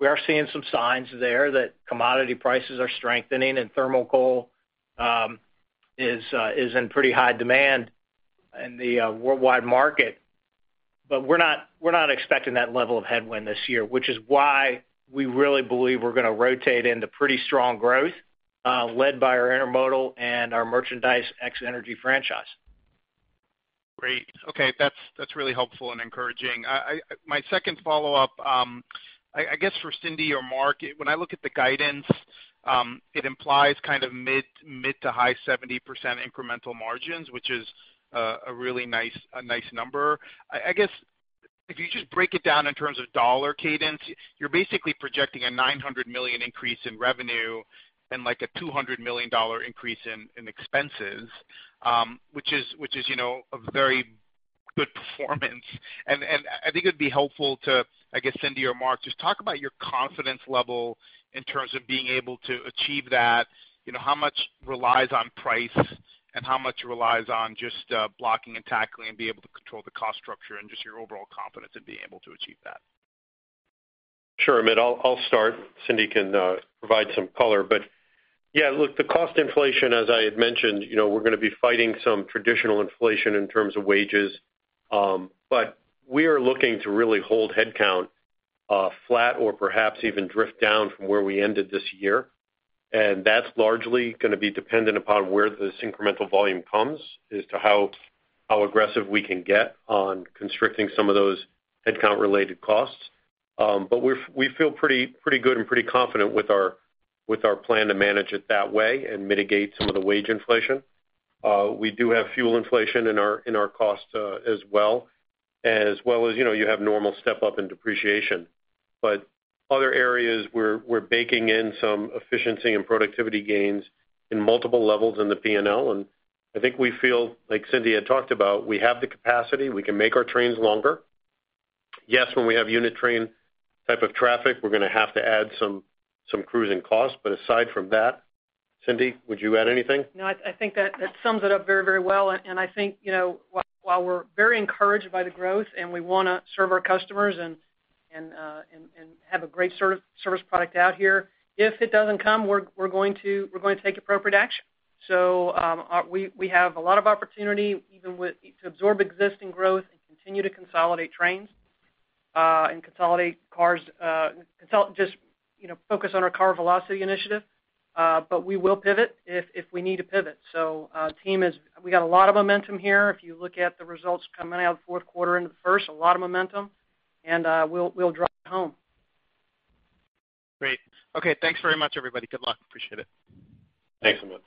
We are seeing some signs there that commodity prices are strengthening and thermal coal is in pretty high demand in the worldwide market. We're not expecting that level of headwind this year, which is why we really believe we're going to rotate into pretty strong growth, led by our intermodal and our merchandise ex energy franchise. Great. Okay. That's really helpful and encouraging. My second follow-up, I guess, for Cindy or Mark, when I look at the guidance, it implies kind of mid to high 70% incremental margins, which is a really nice number. I guess, if you just break it down in terms of dollar cadence, you're basically projecting a $900 million increase in revenue and like a $200 million increase in expenses, which is a very good performance. I think it'd be helpful to, I guess, Cindy or Mark, just talk about your confidence level in terms of being able to achieve that. How much relies on price and how much relies on just blocking and tackling and being able to control the cost structure and just your overall confidence in being able to achieve that? Sure, Amit. I'll start. Cindy can provide some color. Yeah, look, the cost inflation, as I had mentioned, we're going to be fighting some traditional inflation in terms of wages. We are looking to really hold headcount flat or perhaps even drift down from where we ended this year. That's largely going to be dependent upon where this incremental volume comes as to how aggressive we can get on constricting some of those headcount-related costs. We feel pretty good and pretty confident with our plan to manage it that way and mitigate some of the wage inflation. We do have fuel inflation in our costs as well, as well as you have normal step up in depreciation. Other areas, we're baking in some efficiency and productivity gains in multiple levels in the P&L. I think we feel, like Cindy had talked about, we have the capacity, we can make our trains longer. Yes, when we have unit train-type traffic, we're going to have to add some crewing costs. Aside from that, Cindy, would you add anything? No, I think that sums it up very well. I think, while we're very encouraged by the growth and we want to serve our customers and have a great service product out here, if it doesn't come, we're going to take appropriate action. We have a lot of opportunity even to absorb existing growth and continue to consolidate trains, and consolidate cars, just focus on our car velocity initiative. We will pivot if we need to pivot. We got a lot of momentum here. If you look at the results coming out of the fourth quarter into the first, a lot of momentum, and we'll drive it home. Great. Okay, thanks very much, everybody. Good luck. Appreciate it. Thanks, Amit.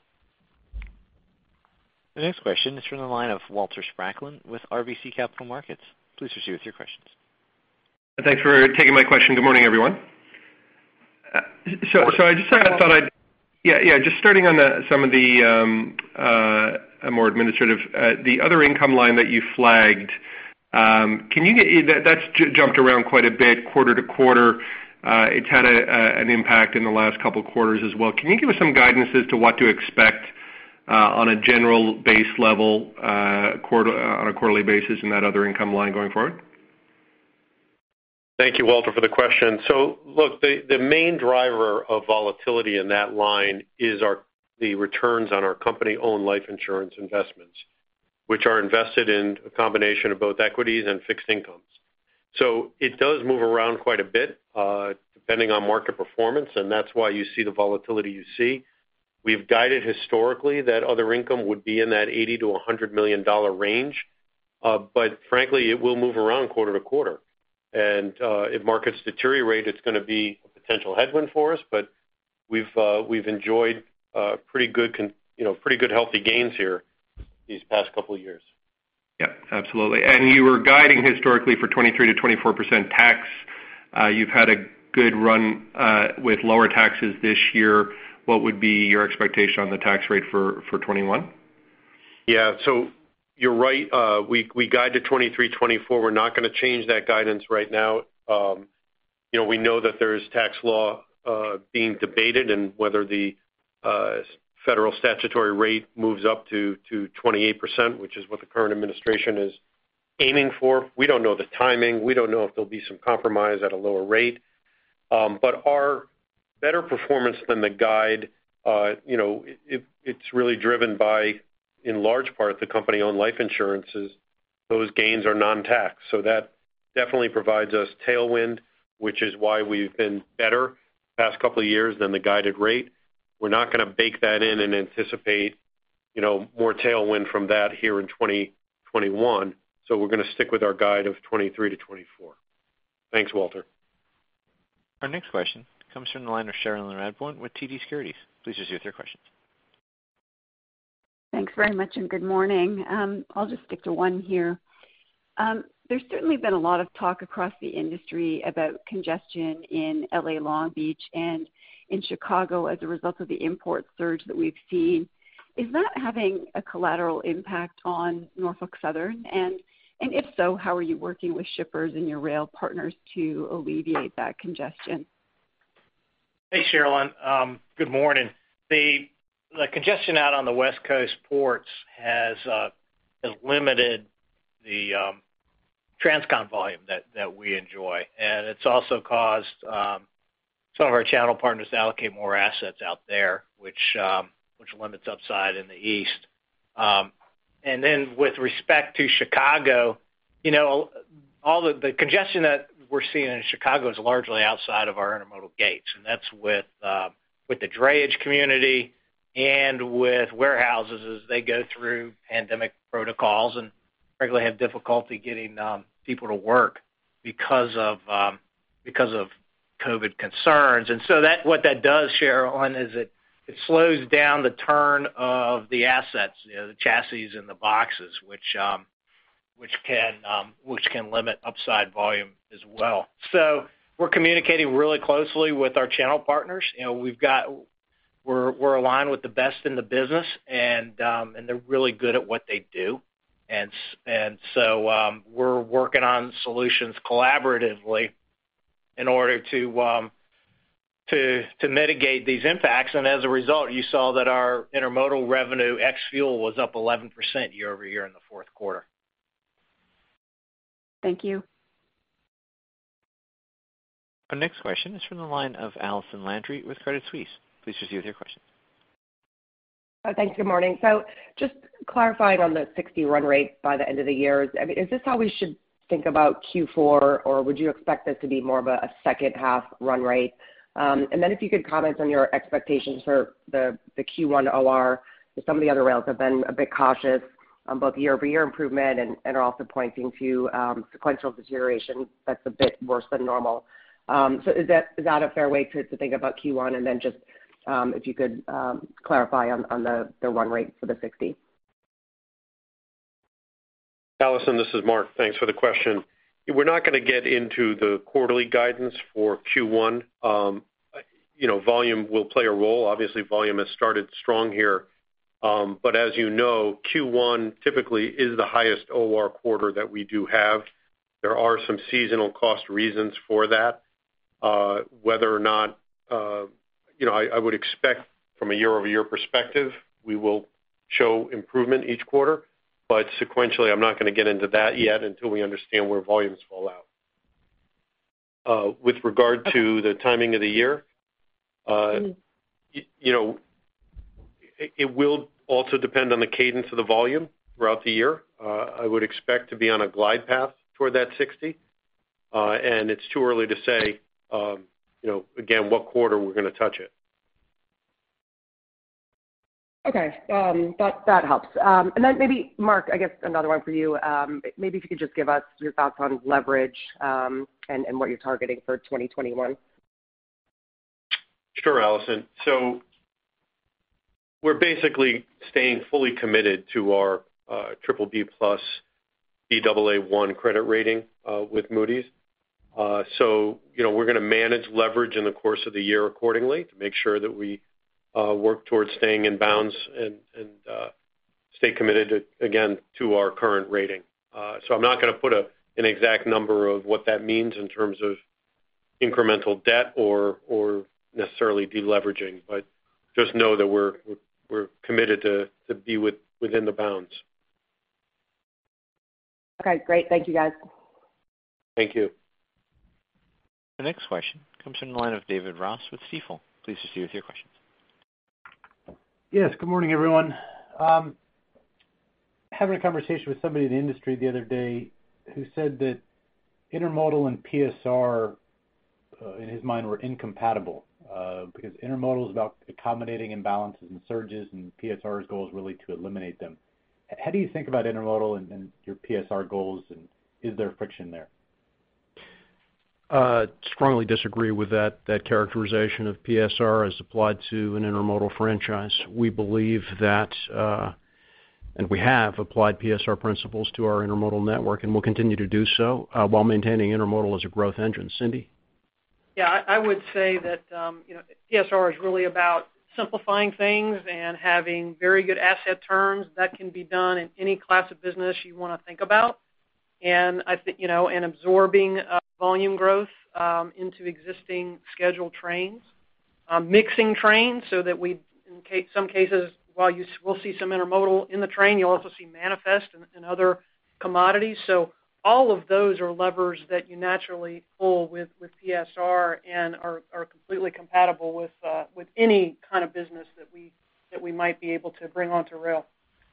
The next question is from the line of Walter Spracklin with RBC Capital Markets. Please proceed with your questions. Thanks for taking my question. Good morning, everyone. Just starting on some of the more administrative, the other income line that you flagged, that's jumped around quite a bit quarter to quarter. It's had an impact in the last couple of quarters as well. Can you give us some guidance as to what to expect on a general base level on a quarterly basis in that other income line going forward? Thank you, Walter, for the question. Look, the main driver of volatility in that line is the returns on our company-owned life insurance investments, which are invested in a combination of both equities and fixed income. It does move around quite a bit, depending on market performance, and that's why you see the volatility you see. We've guided historically that other income would be in that $80 million-$100 million range. Frankly, it will move around quarter to quarter. If markets deteriorate, it's going to be a potential headwind for us, but we've enjoyed pretty good healthy gains here these past couple of years. Yeah, absolutely. You were guiding historically for 23%-24% tax. You've had a good run with lower taxes this year. What would be your expectation on the tax rate for 2021? Yeah. You're right. We guide to 23%-24%. We're not going to change that guidance right now. We know that there's tax law being debated and whether the federal statutory rate moves up to 28%, which is what the current administration is aiming for. We don't know the timing. We don't know if there'll be some compromise at a lower rate. Our better performance than the guide, it's really driven by, in large part, the Company-Owned Life Insurance. Those gains are non-tax, that definitely provides us tailwind, which is why we've been better the past couple of years than the guided rate. We're not going to bake that in and anticipate more tailwind from that here in 2021, we're going to stick with our guide of 23%-24%. Thanks, Walter. Our next question comes from the line of Cherilyn Radbourne with TD Securities. Please proceed with your questions. Thanks very much. Good morning. I'll just stick to one here. There's certainly been a lot of talk across the industry about congestion in L.A. Long Beach and in Chicago as a result of the import surge that we've seen. Is that having a collateral impact on Norfolk Southern? If so, how are you working with shippers and your rail partners to alleviate that congestion? Hey, Cherilyn. Good morning. The congestion out on the West Coast ports has limited the transcon volume that we enjoy, and it's also caused some of our channel partners to allocate more assets out there, which limits upside in the East. With respect to Chicago, all the congestion that we're seeing in Chicago is largely outside of our intermodal gates, and that's with the drayage community and with warehouses as they go through pandemic protocols and regularly have difficulty getting people to work because of COVID concerns. What that does, Cherilyn, is it slows down the turn of the assets, the chassis and the boxes, which can limit upside volume as well. We're communicating really closely with our channel partners. We're aligned with the best in the business, and they're really good at what they do. We're working on solutions collaboratively in order to mitigate these impacts. As a result, you saw that our intermodal revenue ex fuel was up 11% year-over-year in the fourth quarter. Thank you. Our next question is from the line of Allison Landry with Credit Suisse. Please proceed with your question. Thanks. Good morning. Just clarifying on the 60% run rate by the end of the year, is this how we should think about Q4, or would you expect this to be more of a second half run rate? If you could comment on your expectations for the Q1 OR, because some of the other rails have been a bit cautious on both year-over-year improvement and are also pointing to sequential deterioration that's a bit worse than normal. Is that a fair way to think about Q1? Just if you could clarify on the run rate for the 60. Allison, this is Mark. Thanks for the question. We're not going to get into the quarterly guidance for Q1. Volume will play a role. Obviously, volume has started strong here. As you know, Q1 typically is the highest OR quarter that we do have. There are some seasonal cost reasons for that. I would expect from a year-over-year perspective, we will show improvement each quarter, sequentially, I'm not going to get into that yet until we understand where volumes fall out. With regard to the timing of the year, it will also depend on the cadence of the volume throughout the year. I would expect to be on a glide path toward that 60%, it's too early to say, again, what quarter we're going to touch it. Okay. That helps. Maybe, Mark, I guess another one for you, maybe if you could just give us your thoughts on leverage and what you're targeting for 2021. Sure, Allison. We're basically staying fully committed to our BBB+ Baa1 credit rating with Moody's. We're going to manage leverage in the course of the year accordingly to make sure that we work towards staying in bounds and stay committed, again, to our current rating. I'm not going to put an exact number of what that means in terms of incremental debt or necessarily de-leveraging but just know that we're committed to be within the bounds. Okay, great. Thank you, guys. Thank you. The next question comes from the line of David Ross with Stifel. Please proceed with your questions. Yes, good morning, everyone. Having a conversation with somebody in the industry the other day who said that intermodal and PSR, in his mind, were incompatible because intermodal is about accommodating imbalances and surges, and PSR's goal is really to eliminate them. How do you think about intermodal and your PSR goals, and is there friction there? Strongly disagree with that characterization of PSR as applied to an intermodal franchise. We believe that, and we have applied PSR principles to our intermodal network, and we'll continue to do so while maintaining intermodal as a growth engine. Cindy? Yeah, I would say that PSR is really about simplifying things and having very good asset turns. That can be done in any class of business you want to think about. Absorbing volume growth into existing scheduled trains, mixing trains so that we, in some cases, while you will see some intermodal in the train, you will also see manifest and other commodities. All of those are levers that you naturally pull with PSR and are completely compatible with any kind of business that we might be able to bring onto rail.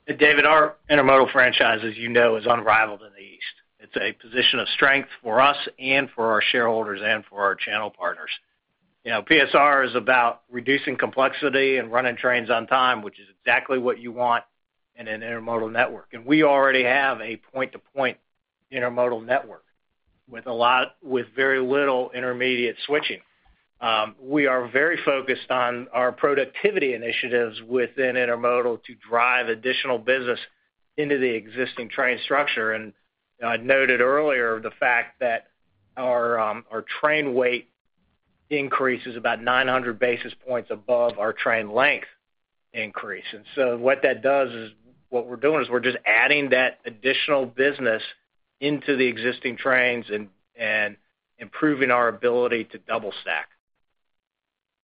David, our intermodal franchise, as you know, is unrivaled in the East. It's a position of strength for us and for our shareholders and for our channel partners. PSR is about reducing complexity and running trains on time, which is exactly what you want in an intermodal network. We already have a point-to-point intermodal network with very little intermediate switching. We are very focused on our productivity initiatives within intermodal to drive additional business into the existing train structure. I noted earlier the fact that our train weight increase is about 900 basis points above our train length increase. What that does is what we're doing is we're just adding that additional business into the existing trains and improving our ability to double stack.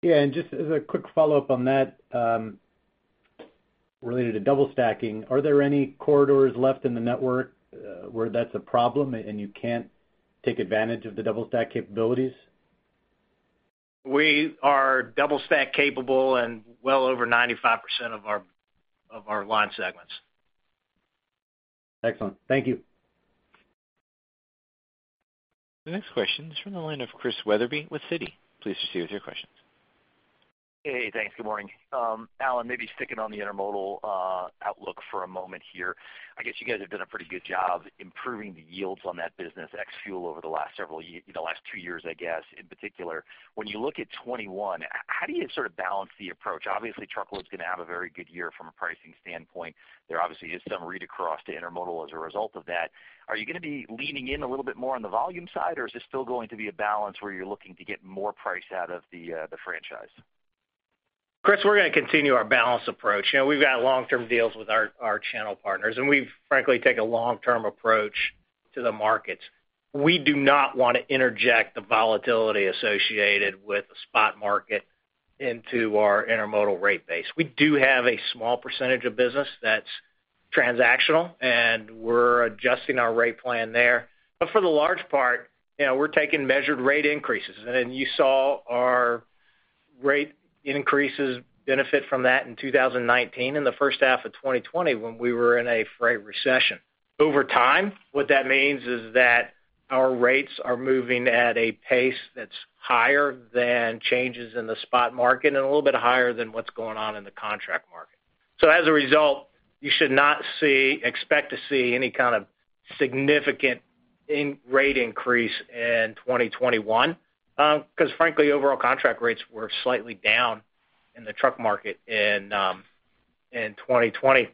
Yeah, just as a quick follow-up on that, related to double stacking, are there any corridors left in the network where that's a problem and you can't take advantage of the double stack capabilities? We are double stack capable in well over 95% of our line segments. Excellent. Thank you. The next question is from the line of Chris Wetherbee with Citi. Please proceed with your questions. Hey, thanks. Good morning. Alan, maybe sticking on the intermodal outlook for a moment here. I guess you guys have done a pretty good job improving the yields on that business, ex fuel, over the last two years, I guess, in particular. When you look at 2021, how do you sort of balance the approach? Obviously, truckload's going to have a very good year from a pricing standpoint. There obviously is some read across to intermodal as a result of that. Are you going to be leaning in a little bit more on the volume side, or is this still going to be a balance where you're looking to get more price out of the franchise? Chris, we're going to continue our balanced approach. We've got long-term deals with our channel partners, and we frankly take a long-term approach to the markets. We do not want to interject the volatility associated with the spot market into our intermodal rate base. We do have a small percentage of business that's transactional, and we're adjusting our rate plan there. For the large part, we're taking measured rate increases. Then you saw our rate increases benefit from that in 2019 and the first half of 2020 when we were in a freight recession. Over time, what that means is that our rates are moving at a pace that's higher than changes in the spot market and a little bit higher than what's going on in the contract market. As a result, you should not expect to see any kind of significant rate increase in 2021, because frankly, overall contract rates were slightly down in the truck market in 2020.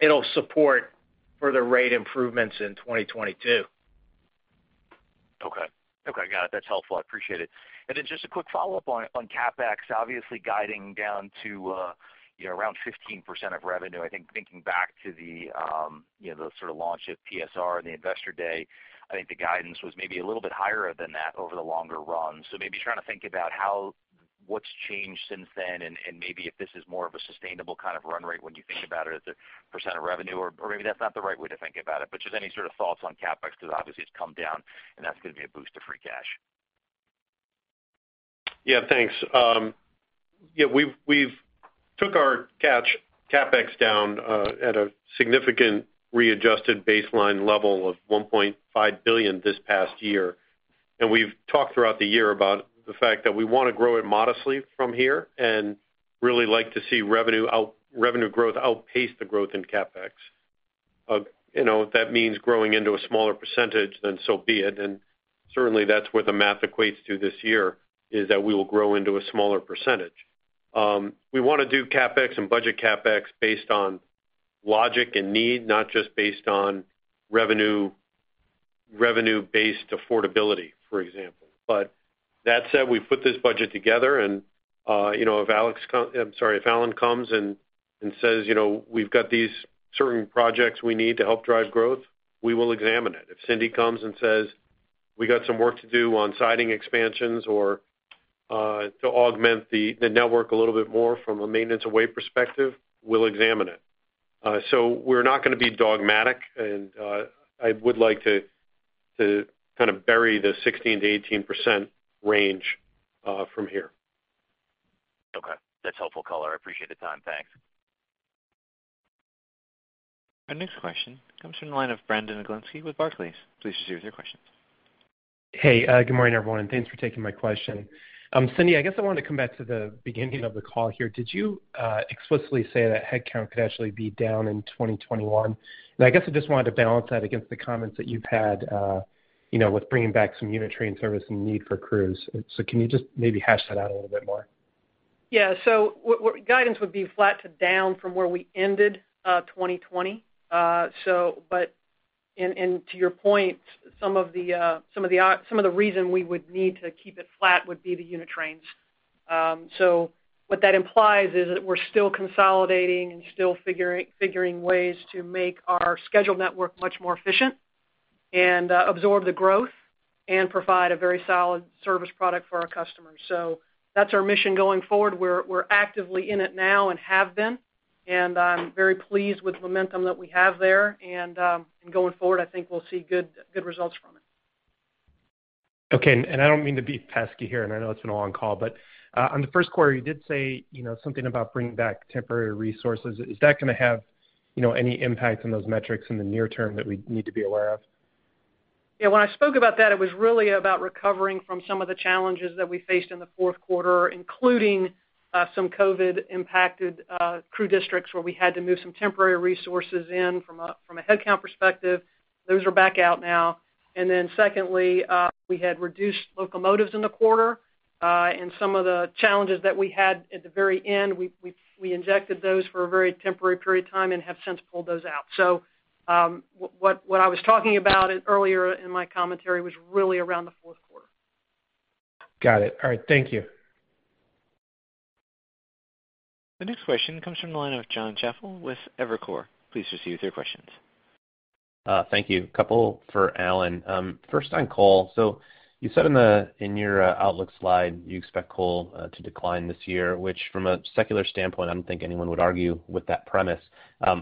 It'll support further rate improvements in 2022. Okay. Got it. That's helpful. I appreciate it. Just a quick follow-up on CapEx, obviously guiding down to around 15% of revenue. I think thinking back to the sort of launch of PSR and the investor day, I think the guidance was maybe a little bit higher than that over the longer run. Maybe trying to think about what's changed since then and maybe if this is more of a sustainable kind of run rate when you think about it as a % of revenue, or maybe that's not the right way to think about it, but just any sort of thoughts on CapEx because obviously it's come down and that's going to be a boost to free cash. Yeah, thanks. Yeah, we've took our cash CapEx down at a significant readjusted baseline level of $1.5 billion this past year, and we've talked throughout the year about the fact that we want to grow it modestly from here and really like to see revenue growth outpace the growth in CapEx. If that means growing into a smaller percentage, then so be it. Certainly, that's where the math equates to this year, is that we will grow into a smaller percentage. We want to do CapEx and budget CapEx based on logic and need, not just based on revenue-based affordability, for example. That said, we've put this budget together, and if Alan comes and says, "We've got these certain projects we need to help drive growth," we will examine it. If Cindy comes and says, "We got some work to do on siding expansions or to augment the network a little bit more from a maintenance of way perspective," we'll examine it. We're not going to be dogmatic, and I would like to kind of bury the 16%-18% range from here. Okay. That's helpful color. I appreciate the time. Thanks. Our next question comes from the line of Brandon Oglenski with Barclays. Please proceed with your questions. Hey, good morning, everyone, and thanks for taking my question. Cindy, I guess I wanted to come back to the beginning of the call here. Did you explicitly say that headcount could actually be down in 2021? I guess I just wanted to balance that against the comments that you've had with bringing back some unit train service and need for crews. Can you just maybe hash that out a little bit more? Guidance would be flat to down from where we ended 2020. To your point, some of the reasons we would need to keep it flat would be the unit trains. What that implies is that we're still consolidating and still figuring ways to make our schedule network much more efficient and absorb the growth and provide a very solid service product for our customers. That's our mission going forward. We're actively in it now and have been, and I'm very pleased with the momentum that we have there. Going forward, I think we'll see good results from it. Okay. I don't mean to be pesky here, and I know it's been a long call, but on the first quarter, you did say something about bringing back temporary resources. Is that going to have any impact on those metrics in the near term that we need to be aware of? Yeah. When I spoke about that, it was really about recovering from some of the challenges that we faced in the fourth quarter, including some COVID-impacted crew districts, where we had to move some temporary resources in from a headcount perspective. Those are back out now. Secondly, we had reduced locomotives in the quarter. Some of the challenges that we had at the very end, we injected those for a very temporary period of time and have since pulled those out. What I was talking about earlier in my commentary was really around the fourth quarter. Got it. All right, thank you. The next question comes from the line of Jon Chappell with Evercore. Please proceed with your questions. Thank you. Couple for Alan. First on coal. You said in your outlook slide, you expect coal to decline this year, which from a secular standpoint, I don't think anyone would argue with that premise.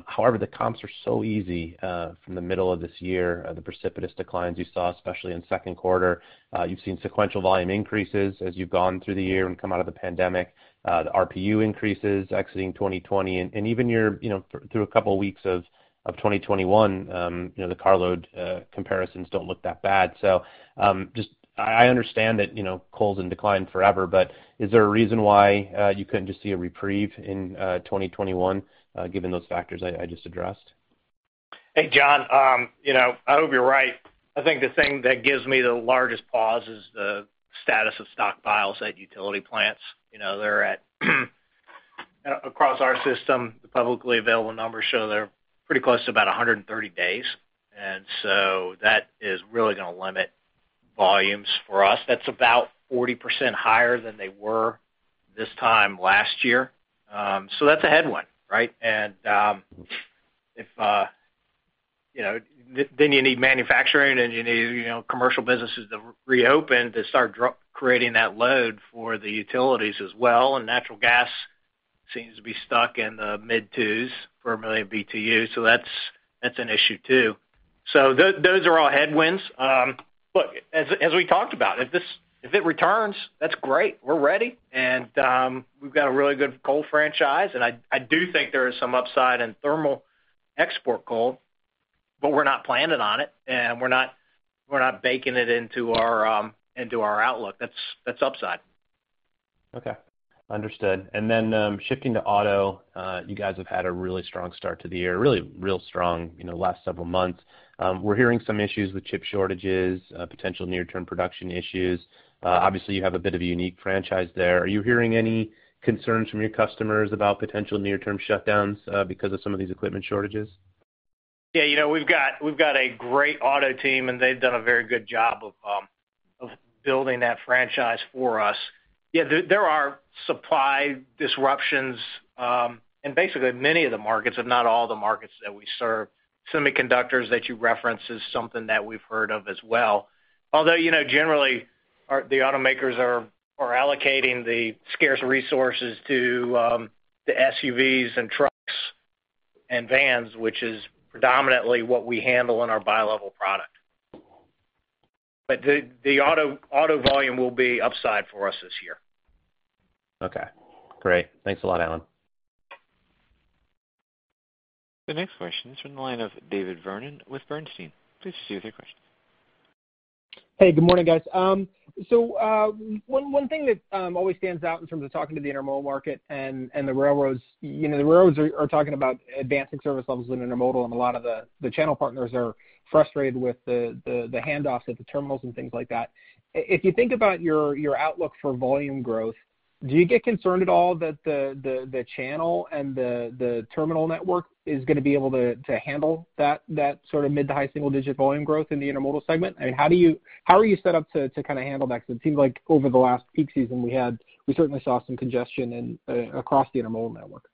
However, the comps are so easy from the middle of this year, the precipitous declines you saw, especially in second quarter. You've seen sequential volume increases as you've gone through the year and come out of the pandemic. The RPU increases exiting 2020 and even through a couple of weeks of 2021, the carload comparisons don't look that bad. I understand that coal's in decline forever, but is there a reason why you couldn't just see a reprieve in 2021 given those factors I just addressed? Hey, Jon. I hope you're right. I think the thing that gives me the largest pause is the status of stockpiles at utility plants. Across our system, the publicly available numbers show they're pretty close to about 130 days. That is really going to limit volumes for us. That's about 40% higher than they were this time last year. That's a headwind, right? You need manufacturing and you need commercial businesses to reopen to start creating that load for the utilities as well. Natural gas seems to be stuck in the mid twos for a million BTU. That's an issue, too. Those are all headwinds. Look, as we talked about, if it returns, that's great, we're ready. We've got a really good coal franchise. I do think there is some upside in thermal export coal. We're not planning on it. We're not baking it into our outlook. That's upside. Okay. Understood. Then, shifting to auto, you guys have had a really strong start to the year, really real strong in the last several months. We're hearing some issues with chip shortages, potential near-term production issues. Obviously, you have a bit of a unique franchise there. Are you hearing any concerns from your customers about potential near-term shutdowns because of some of these equipment shortages? Yeah. We've got a great auto team, and they've done a very good job of building that franchise for us. Yeah, there are supply disruptions, in basically many of the markets, if not all the markets that we serve. Semiconductors that you referenced is something that we've heard of as well. Although, generally, the automakers are allocating the scarce resources to SUVs and trucks and vans, which is predominantly what we handle in our bi-level product. The auto volume will be upside for us this year. Okay. Great. Thanks a lot, Alan. The next question is from the line of David Vernon with Bernstein. Please proceed with your question. Hey, good morning, guys. One thing that always stands out in terms of talking to the intermodal market and the railroads, the railroads are talking about advancing service levels in intermodal, and a lot of the channel partners are frustrated with the handoffs at the terminals and things like that. If you think about your outlook for volume growth, do you get concerned at all that the channel and the terminal network is going to be able to handle that mid to high single-digit volume growth in the intermodal segment? I mean, how are you set up to handle that? Because it seems like over the last peak season we had, we certainly saw some congestion across the intermodal network.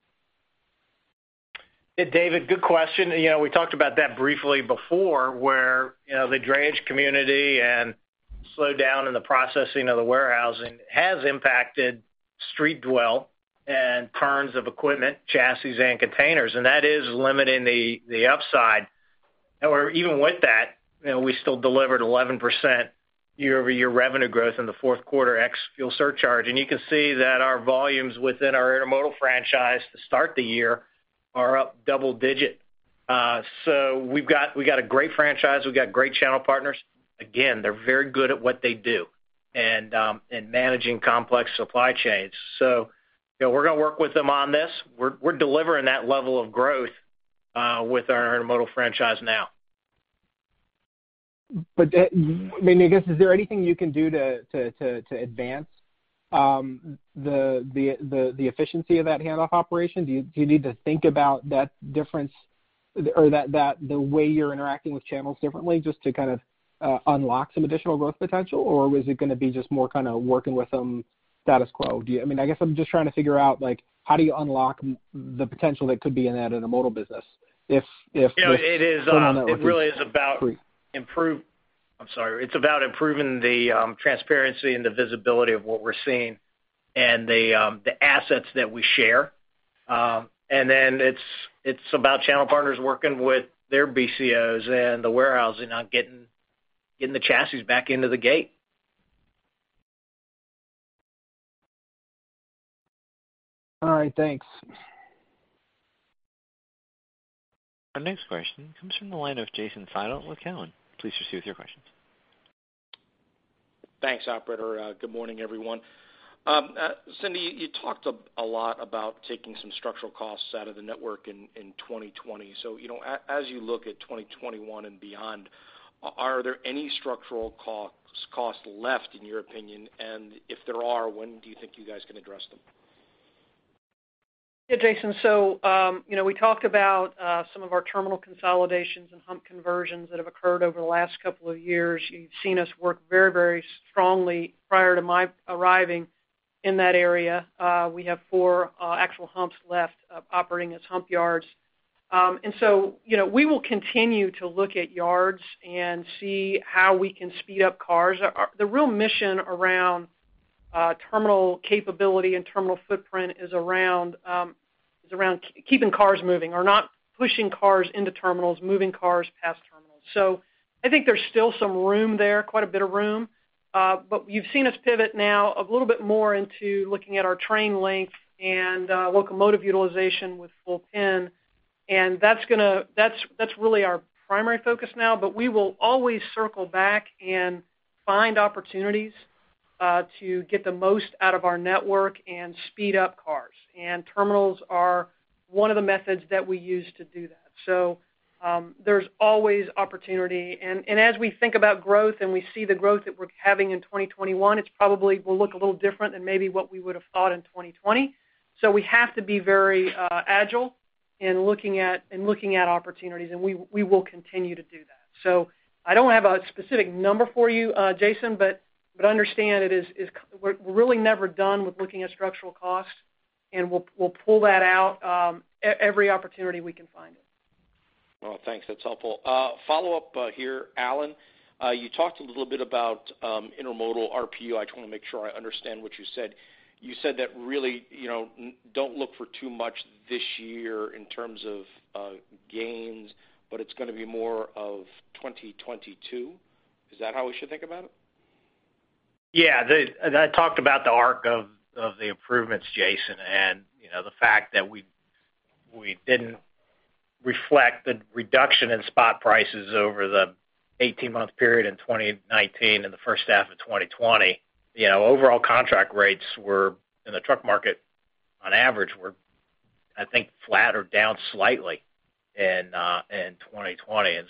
Yeah, David, good question. We talked about that briefly before, where the drayage community and slowdown in the processing of the warehousing has impacted street dwell and turns of equipment, chassis, and containers, and that is limiting the upside. However, even with that, we still delivered 11% year-over-year revenue growth in the fourth quarter ex-fuel surcharge. You can see that our volumes within our intermodal franchise to start the year are up double-digit. We've got a great franchise. We've got great channel partners. Again, they're very good at what they do and managing complex supply chains. We're going to work with them on this. We're delivering that level of growth with our intermodal franchise now. I guess, is there anything you can do to advance the efficiency of that handoff operation? Do you need to think about that difference or the way you're interacting with channels differently just to unlock some additional growth potential? Or was it going to be just more working with them status quo? I guess I'm just trying to figure out how do you unlock the potential that could be in that intermodal business? Yeah, I'm sorry. It's about improving the transparency and the visibility of what we're seeing and the assets that we share. Then it's about channel partners working with their BCOs and the warehousing on getting the chassis back into the gate. All right, thanks. Our next question comes from the line of Jason Seidl with Cowen. Please proceed with your question. Thanks, operator. Good morning, everyone. Cindy, you talked a lot about taking some structural costs out of the network in 2020. As you look at 2021 and beyond, are there any structural costs left in your opinion? If there are, when do you think you guys can address them? Yeah, Jason, we talked about some of our terminal consolidations and hump conversions that have occurred over the last couple of years. You've seen us work very strongly prior to my arriving in that area. We have four actual humps left operating as hump yards. We will continue to look at yards and see how we can speed up cars. The real mission around terminal capability and terminal footprint is around keeping cars moving, or not pushing cars into terminals, moving cars past terminals. I think there's still some room there, quite a bit of room. You've seen us pivot now a little bit more into looking at our train length and locomotive utilization with full pin, and that's really our primary focus now. We will always circle back and find opportunities to get the most out of our network and speed up cars. Terminals are one of the methods that we use to do that. There's always opportunity, and as we think about growth and we see the growth that we're having in 2021, it probably will look a little different than maybe what we would have thought in 2020. We have to be very agile in looking at opportunities, and we will continue to do that. I don't have a specific number for you, Jason, but understand we're really never done with looking at structural costs, and we'll pull that out every opportunity we can find it. Well, thanks. That's helpful. Follow up here. Alan, you talked a little bit about intermodal RPU. I just want to make sure I understand what you said. You said that really, don't look for too much this year in terms of gains, but it's going to be more of 2022. Is that how we should think about it? I talked about the arc of the improvements, Jason, and the fact that we didn't reflect the reduction in spot prices over the 18-month period in 2019 and the first half of 2020. Overall contract rates in the truck market on average were, I think, flat or down slightly in 2020.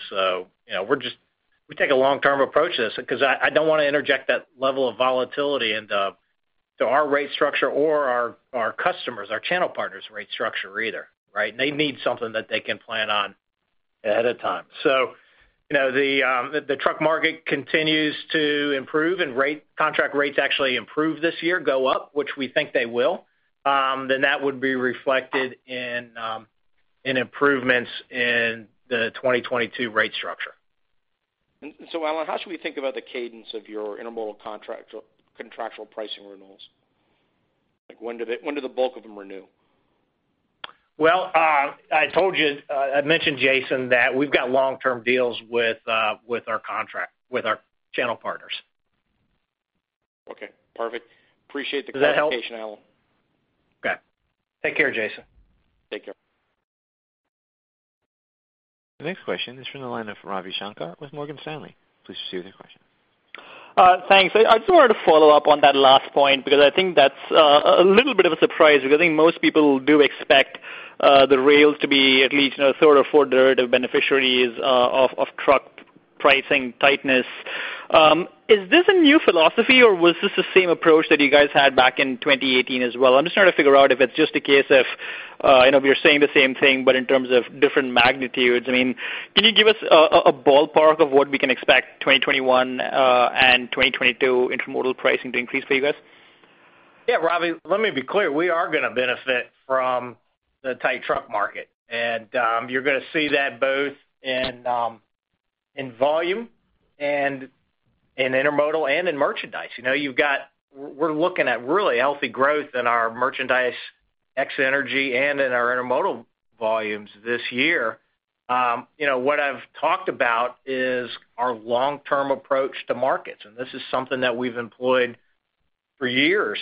We take a long-term approach to this because I don't want to interject that level of volatility into our rate structure or our customers, our channel partners' rate structure either, right? They need something that they can plan on ahead of time. If the truck market continues to improve and contract rates actually improve this year, go up, which we think they will, that would be reflected in improvements in the 2022 rate structure. Alan, how should we think about the cadence of your intermodal contractual pricing renewals? When do the bulk of them renew? Well, I mentioned, Jason, that we've got long-term deals with our channel partners. Okay, perfect. Appreciate the clarification, Alan. Does that help? Okay. Take care, Jason. Take care. The next question is from the line of Ravi Shanker with Morgan Stanley. Please proceed with your question. Thanks. I just wanted to follow up on that last point because I think that's a little bit of a surprise because I think most people do expect the rails to be at least third or fourth derivative beneficiaries of truck pricing tightness. Is this a new philosophy, or was this the same approach that you guys had back in 2018 as well? I'm just trying to figure out if it's just a case of we are saying the same thing, but in terms of different magnitudes. Can you give us a ballpark of what we can expect 2021 and 2022 intermodal pricing to increase for you guys? Yeah, Ravi, let me be clear. We are going to benefit from the tight truck market, and you're going to see that both in volume and in intermodal and in merchandise. We're looking at really healthy growth in our merchandise, ex energy, and in our intermodal volumes this year. What I've talked about is our long-term approach to markets, and this is something that we've employed for years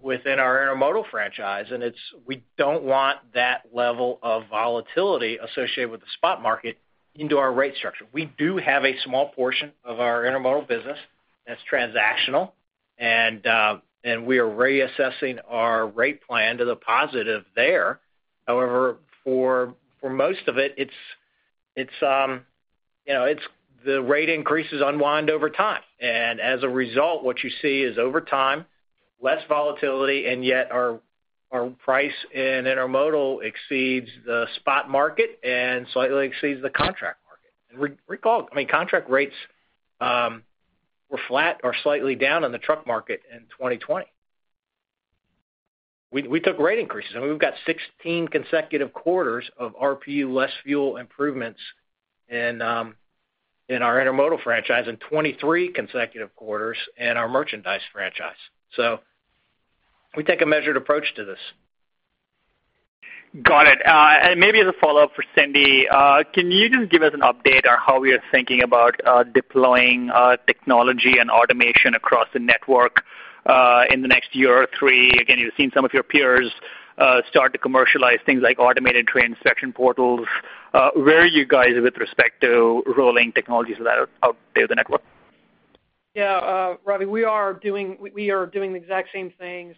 within our intermodal franchise, and we don't want that level of volatility associated with the spot market into our rate structure. We do have a small portion of our intermodal business that's transactional, and we are reassessing our rate plan to the positive there. For most of it, the rate increases unwind over time. As a result, what you see is, over time, less volatility, and yet our price in intermodal exceeds the spot market and slightly exceeds the contract market. Recall, contract rates were flat or slightly down in the truck market in 2020. We took rate increases, and we've got 16 consecutive quarters of RPU less fuel improvements in our Intermodal franchise and 23 consecutive quarters in our Merchandise franchise. We take a measured approach to this. Got it. Maybe as a follow-up for Cindy, can you just give us an update on how we are thinking about deploying technology and automation across the network, in the next year or three? Again, you've seen some of your peers start to commercialize things like automated train inspection portals. Where are you guys with respect to rolling technologies out there in the network? Ravi, we are doing the exact same things.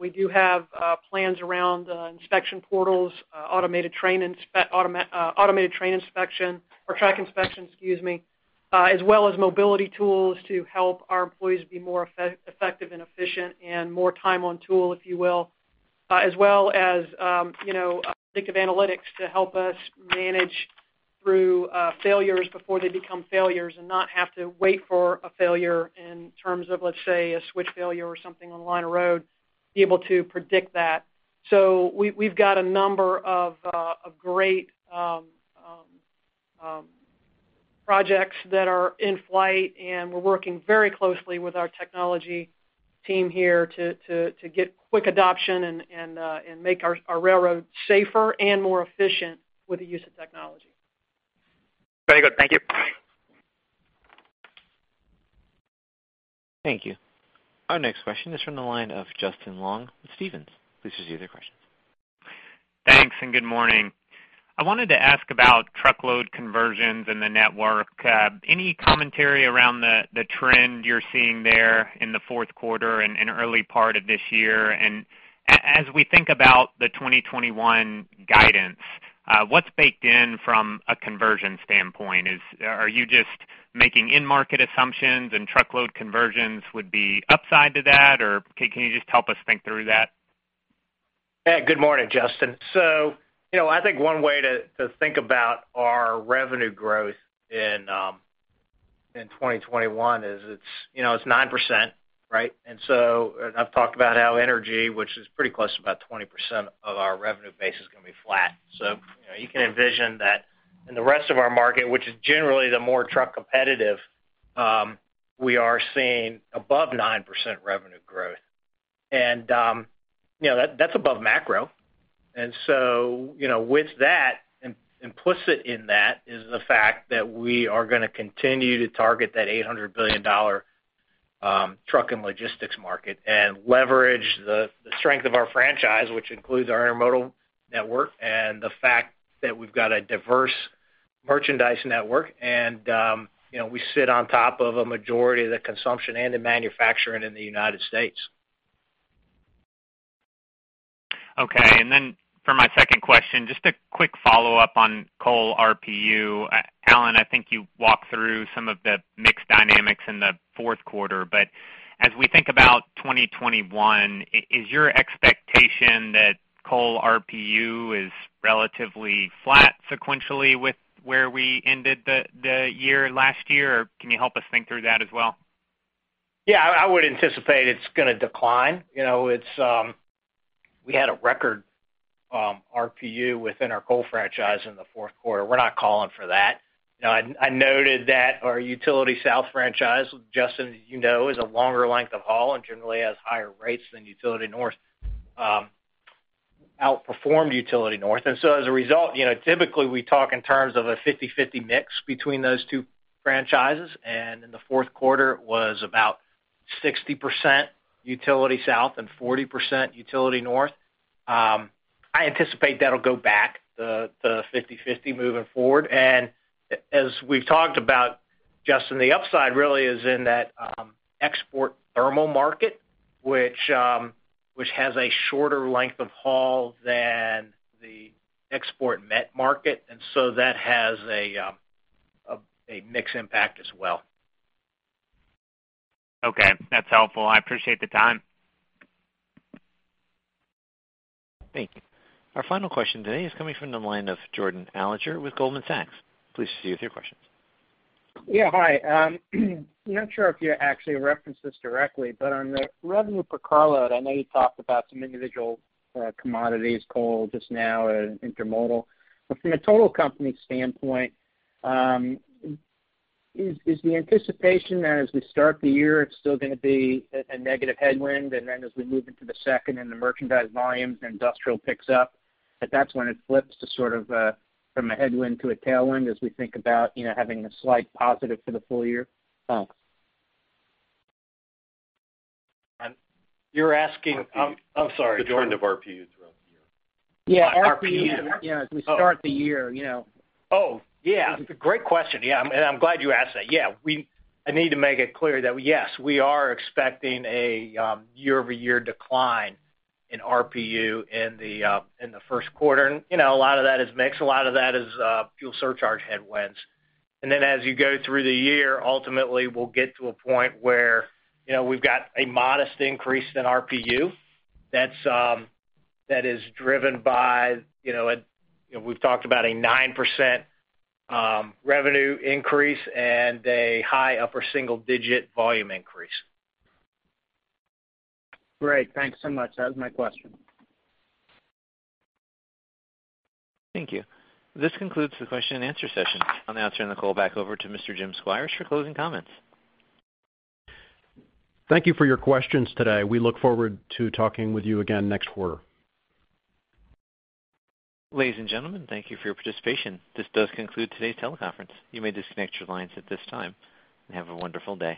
We do have plans around inspection portals, automated train inspection or track inspection, excuse me, as well as mobility tools to help our employees be more effective and efficient and more time on tool, if you will, as well as predictive analytics to help us manage through failures before they become failures, and not have to wait for a failure in terms of, let's say, a switch failure or something on the line of road, be able to predict that. We've got a number of great projects that are in flight, and we're working very closely with our technology team here to get quick adoption and make our railroad safer and more efficient with the use of technology. Very good. Thank you. Thank you. Our next question is from the line of Justin Long with Stephens. Please proceed with your questions. Thanks. Good morning. I wanted to ask about truckload conversions in the network. Any commentary around the trend you're seeing there in the fourth quarter and early part of this year? As we think about the 2021 guidance, what's baked in from a conversion standpoint? Are you just making in-market assumptions and truckload conversions would be upside to that? Can you just help us think through that? Hey, good morning, Justin. I think one way to think about our revenue growth in 2021 is it's 9%, right? I've talked about how energy, which is pretty close to about 20% of our revenue base, is going to be flat. You can envision that in the rest of our market, which is generally the more truck competitive, we are seeing above 9% revenue growth. That's above macro. With that, implicit in that is the fact that we are going to continue to target that $800 billion truck and logistics market and leverage the strength of our franchise, which includes our Intermodal network and the fact that we've got a diverse merchandise network, and we sit on top of a majority of the consumption and the manufacturing in the United States. Okay. For my second question, just a quick follow-up on coal RPU. Alan, I think you walked through some of the mix dynamics in the fourth quarter. As we think about 2021, is your expectation that coal RPU is relatively flat sequentially with where we ended the year last year? Can you help us think through that as well? Yeah, I would anticipate it's going to decline. We had a record RPU within our coal franchise in the fourth quarter. We're not calling for that. I noted that our Utility South franchise, Justin, as you know, is a longer length of haul and generally has higher rates than Utility North, outperformed Utility North. As a result, typically, we talk in terms of a 50/50 mix between those two franchises, and in the fourth quarter, it was about 60% Utility South and 40% Utility North. I anticipate that'll go back to 50/50 moving forward. As we've talked about, Justin, the upside really is in that export thermal market, which has a shorter length of haul than the export met market, and so that has a mix impact as well. Okay, that's helpful. I appreciate the time. Thank you. Our final question today is coming from the line of Jordan Alliger with Goldman Sachs. Please proceed with your questions. Yeah, hi. Not sure if you actually referenced this directly, but on the revenue per carload, I know you talked about some individual commodities, coal just now and Intermodal. From a total company standpoint, is the anticipation that as we start the year, it's still going to be a negative headwind, and then as we move into the second and the merchandise volumes and industrial picks up, that that's when it flips to sort of from a headwind to a tailwind as we think about having a slight positive for the full year? You're asking? I'm sorry. The trend of RPUs throughout the year. Yeah, RPU. As we start the year. Oh, yeah. Great question. I'm glad you asked that. I need to make it clear that, yes, we are expecting a year-over-year decline in RPU in the first quarter. A lot of that is mix, a lot of that is fuel surcharge headwinds. As you go through the year, ultimately, we'll get to a point where we've got a modest increase in RPU that is driven by, we've talked about a 9% revenue increase and a high upper single-digit volume increase. Great. Thanks so much. That was my question. Thank you. This concludes the question and answer session. I'll now turn the call back over to Mr. Jim Squires for closing comments. Thank you for your questions today. We look forward to talking with you again next quarter. Ladies and gentlemen, thank you for your participation. This does conclude today's teleconference. You may disconnect your lines at this time, and have a wonderful day.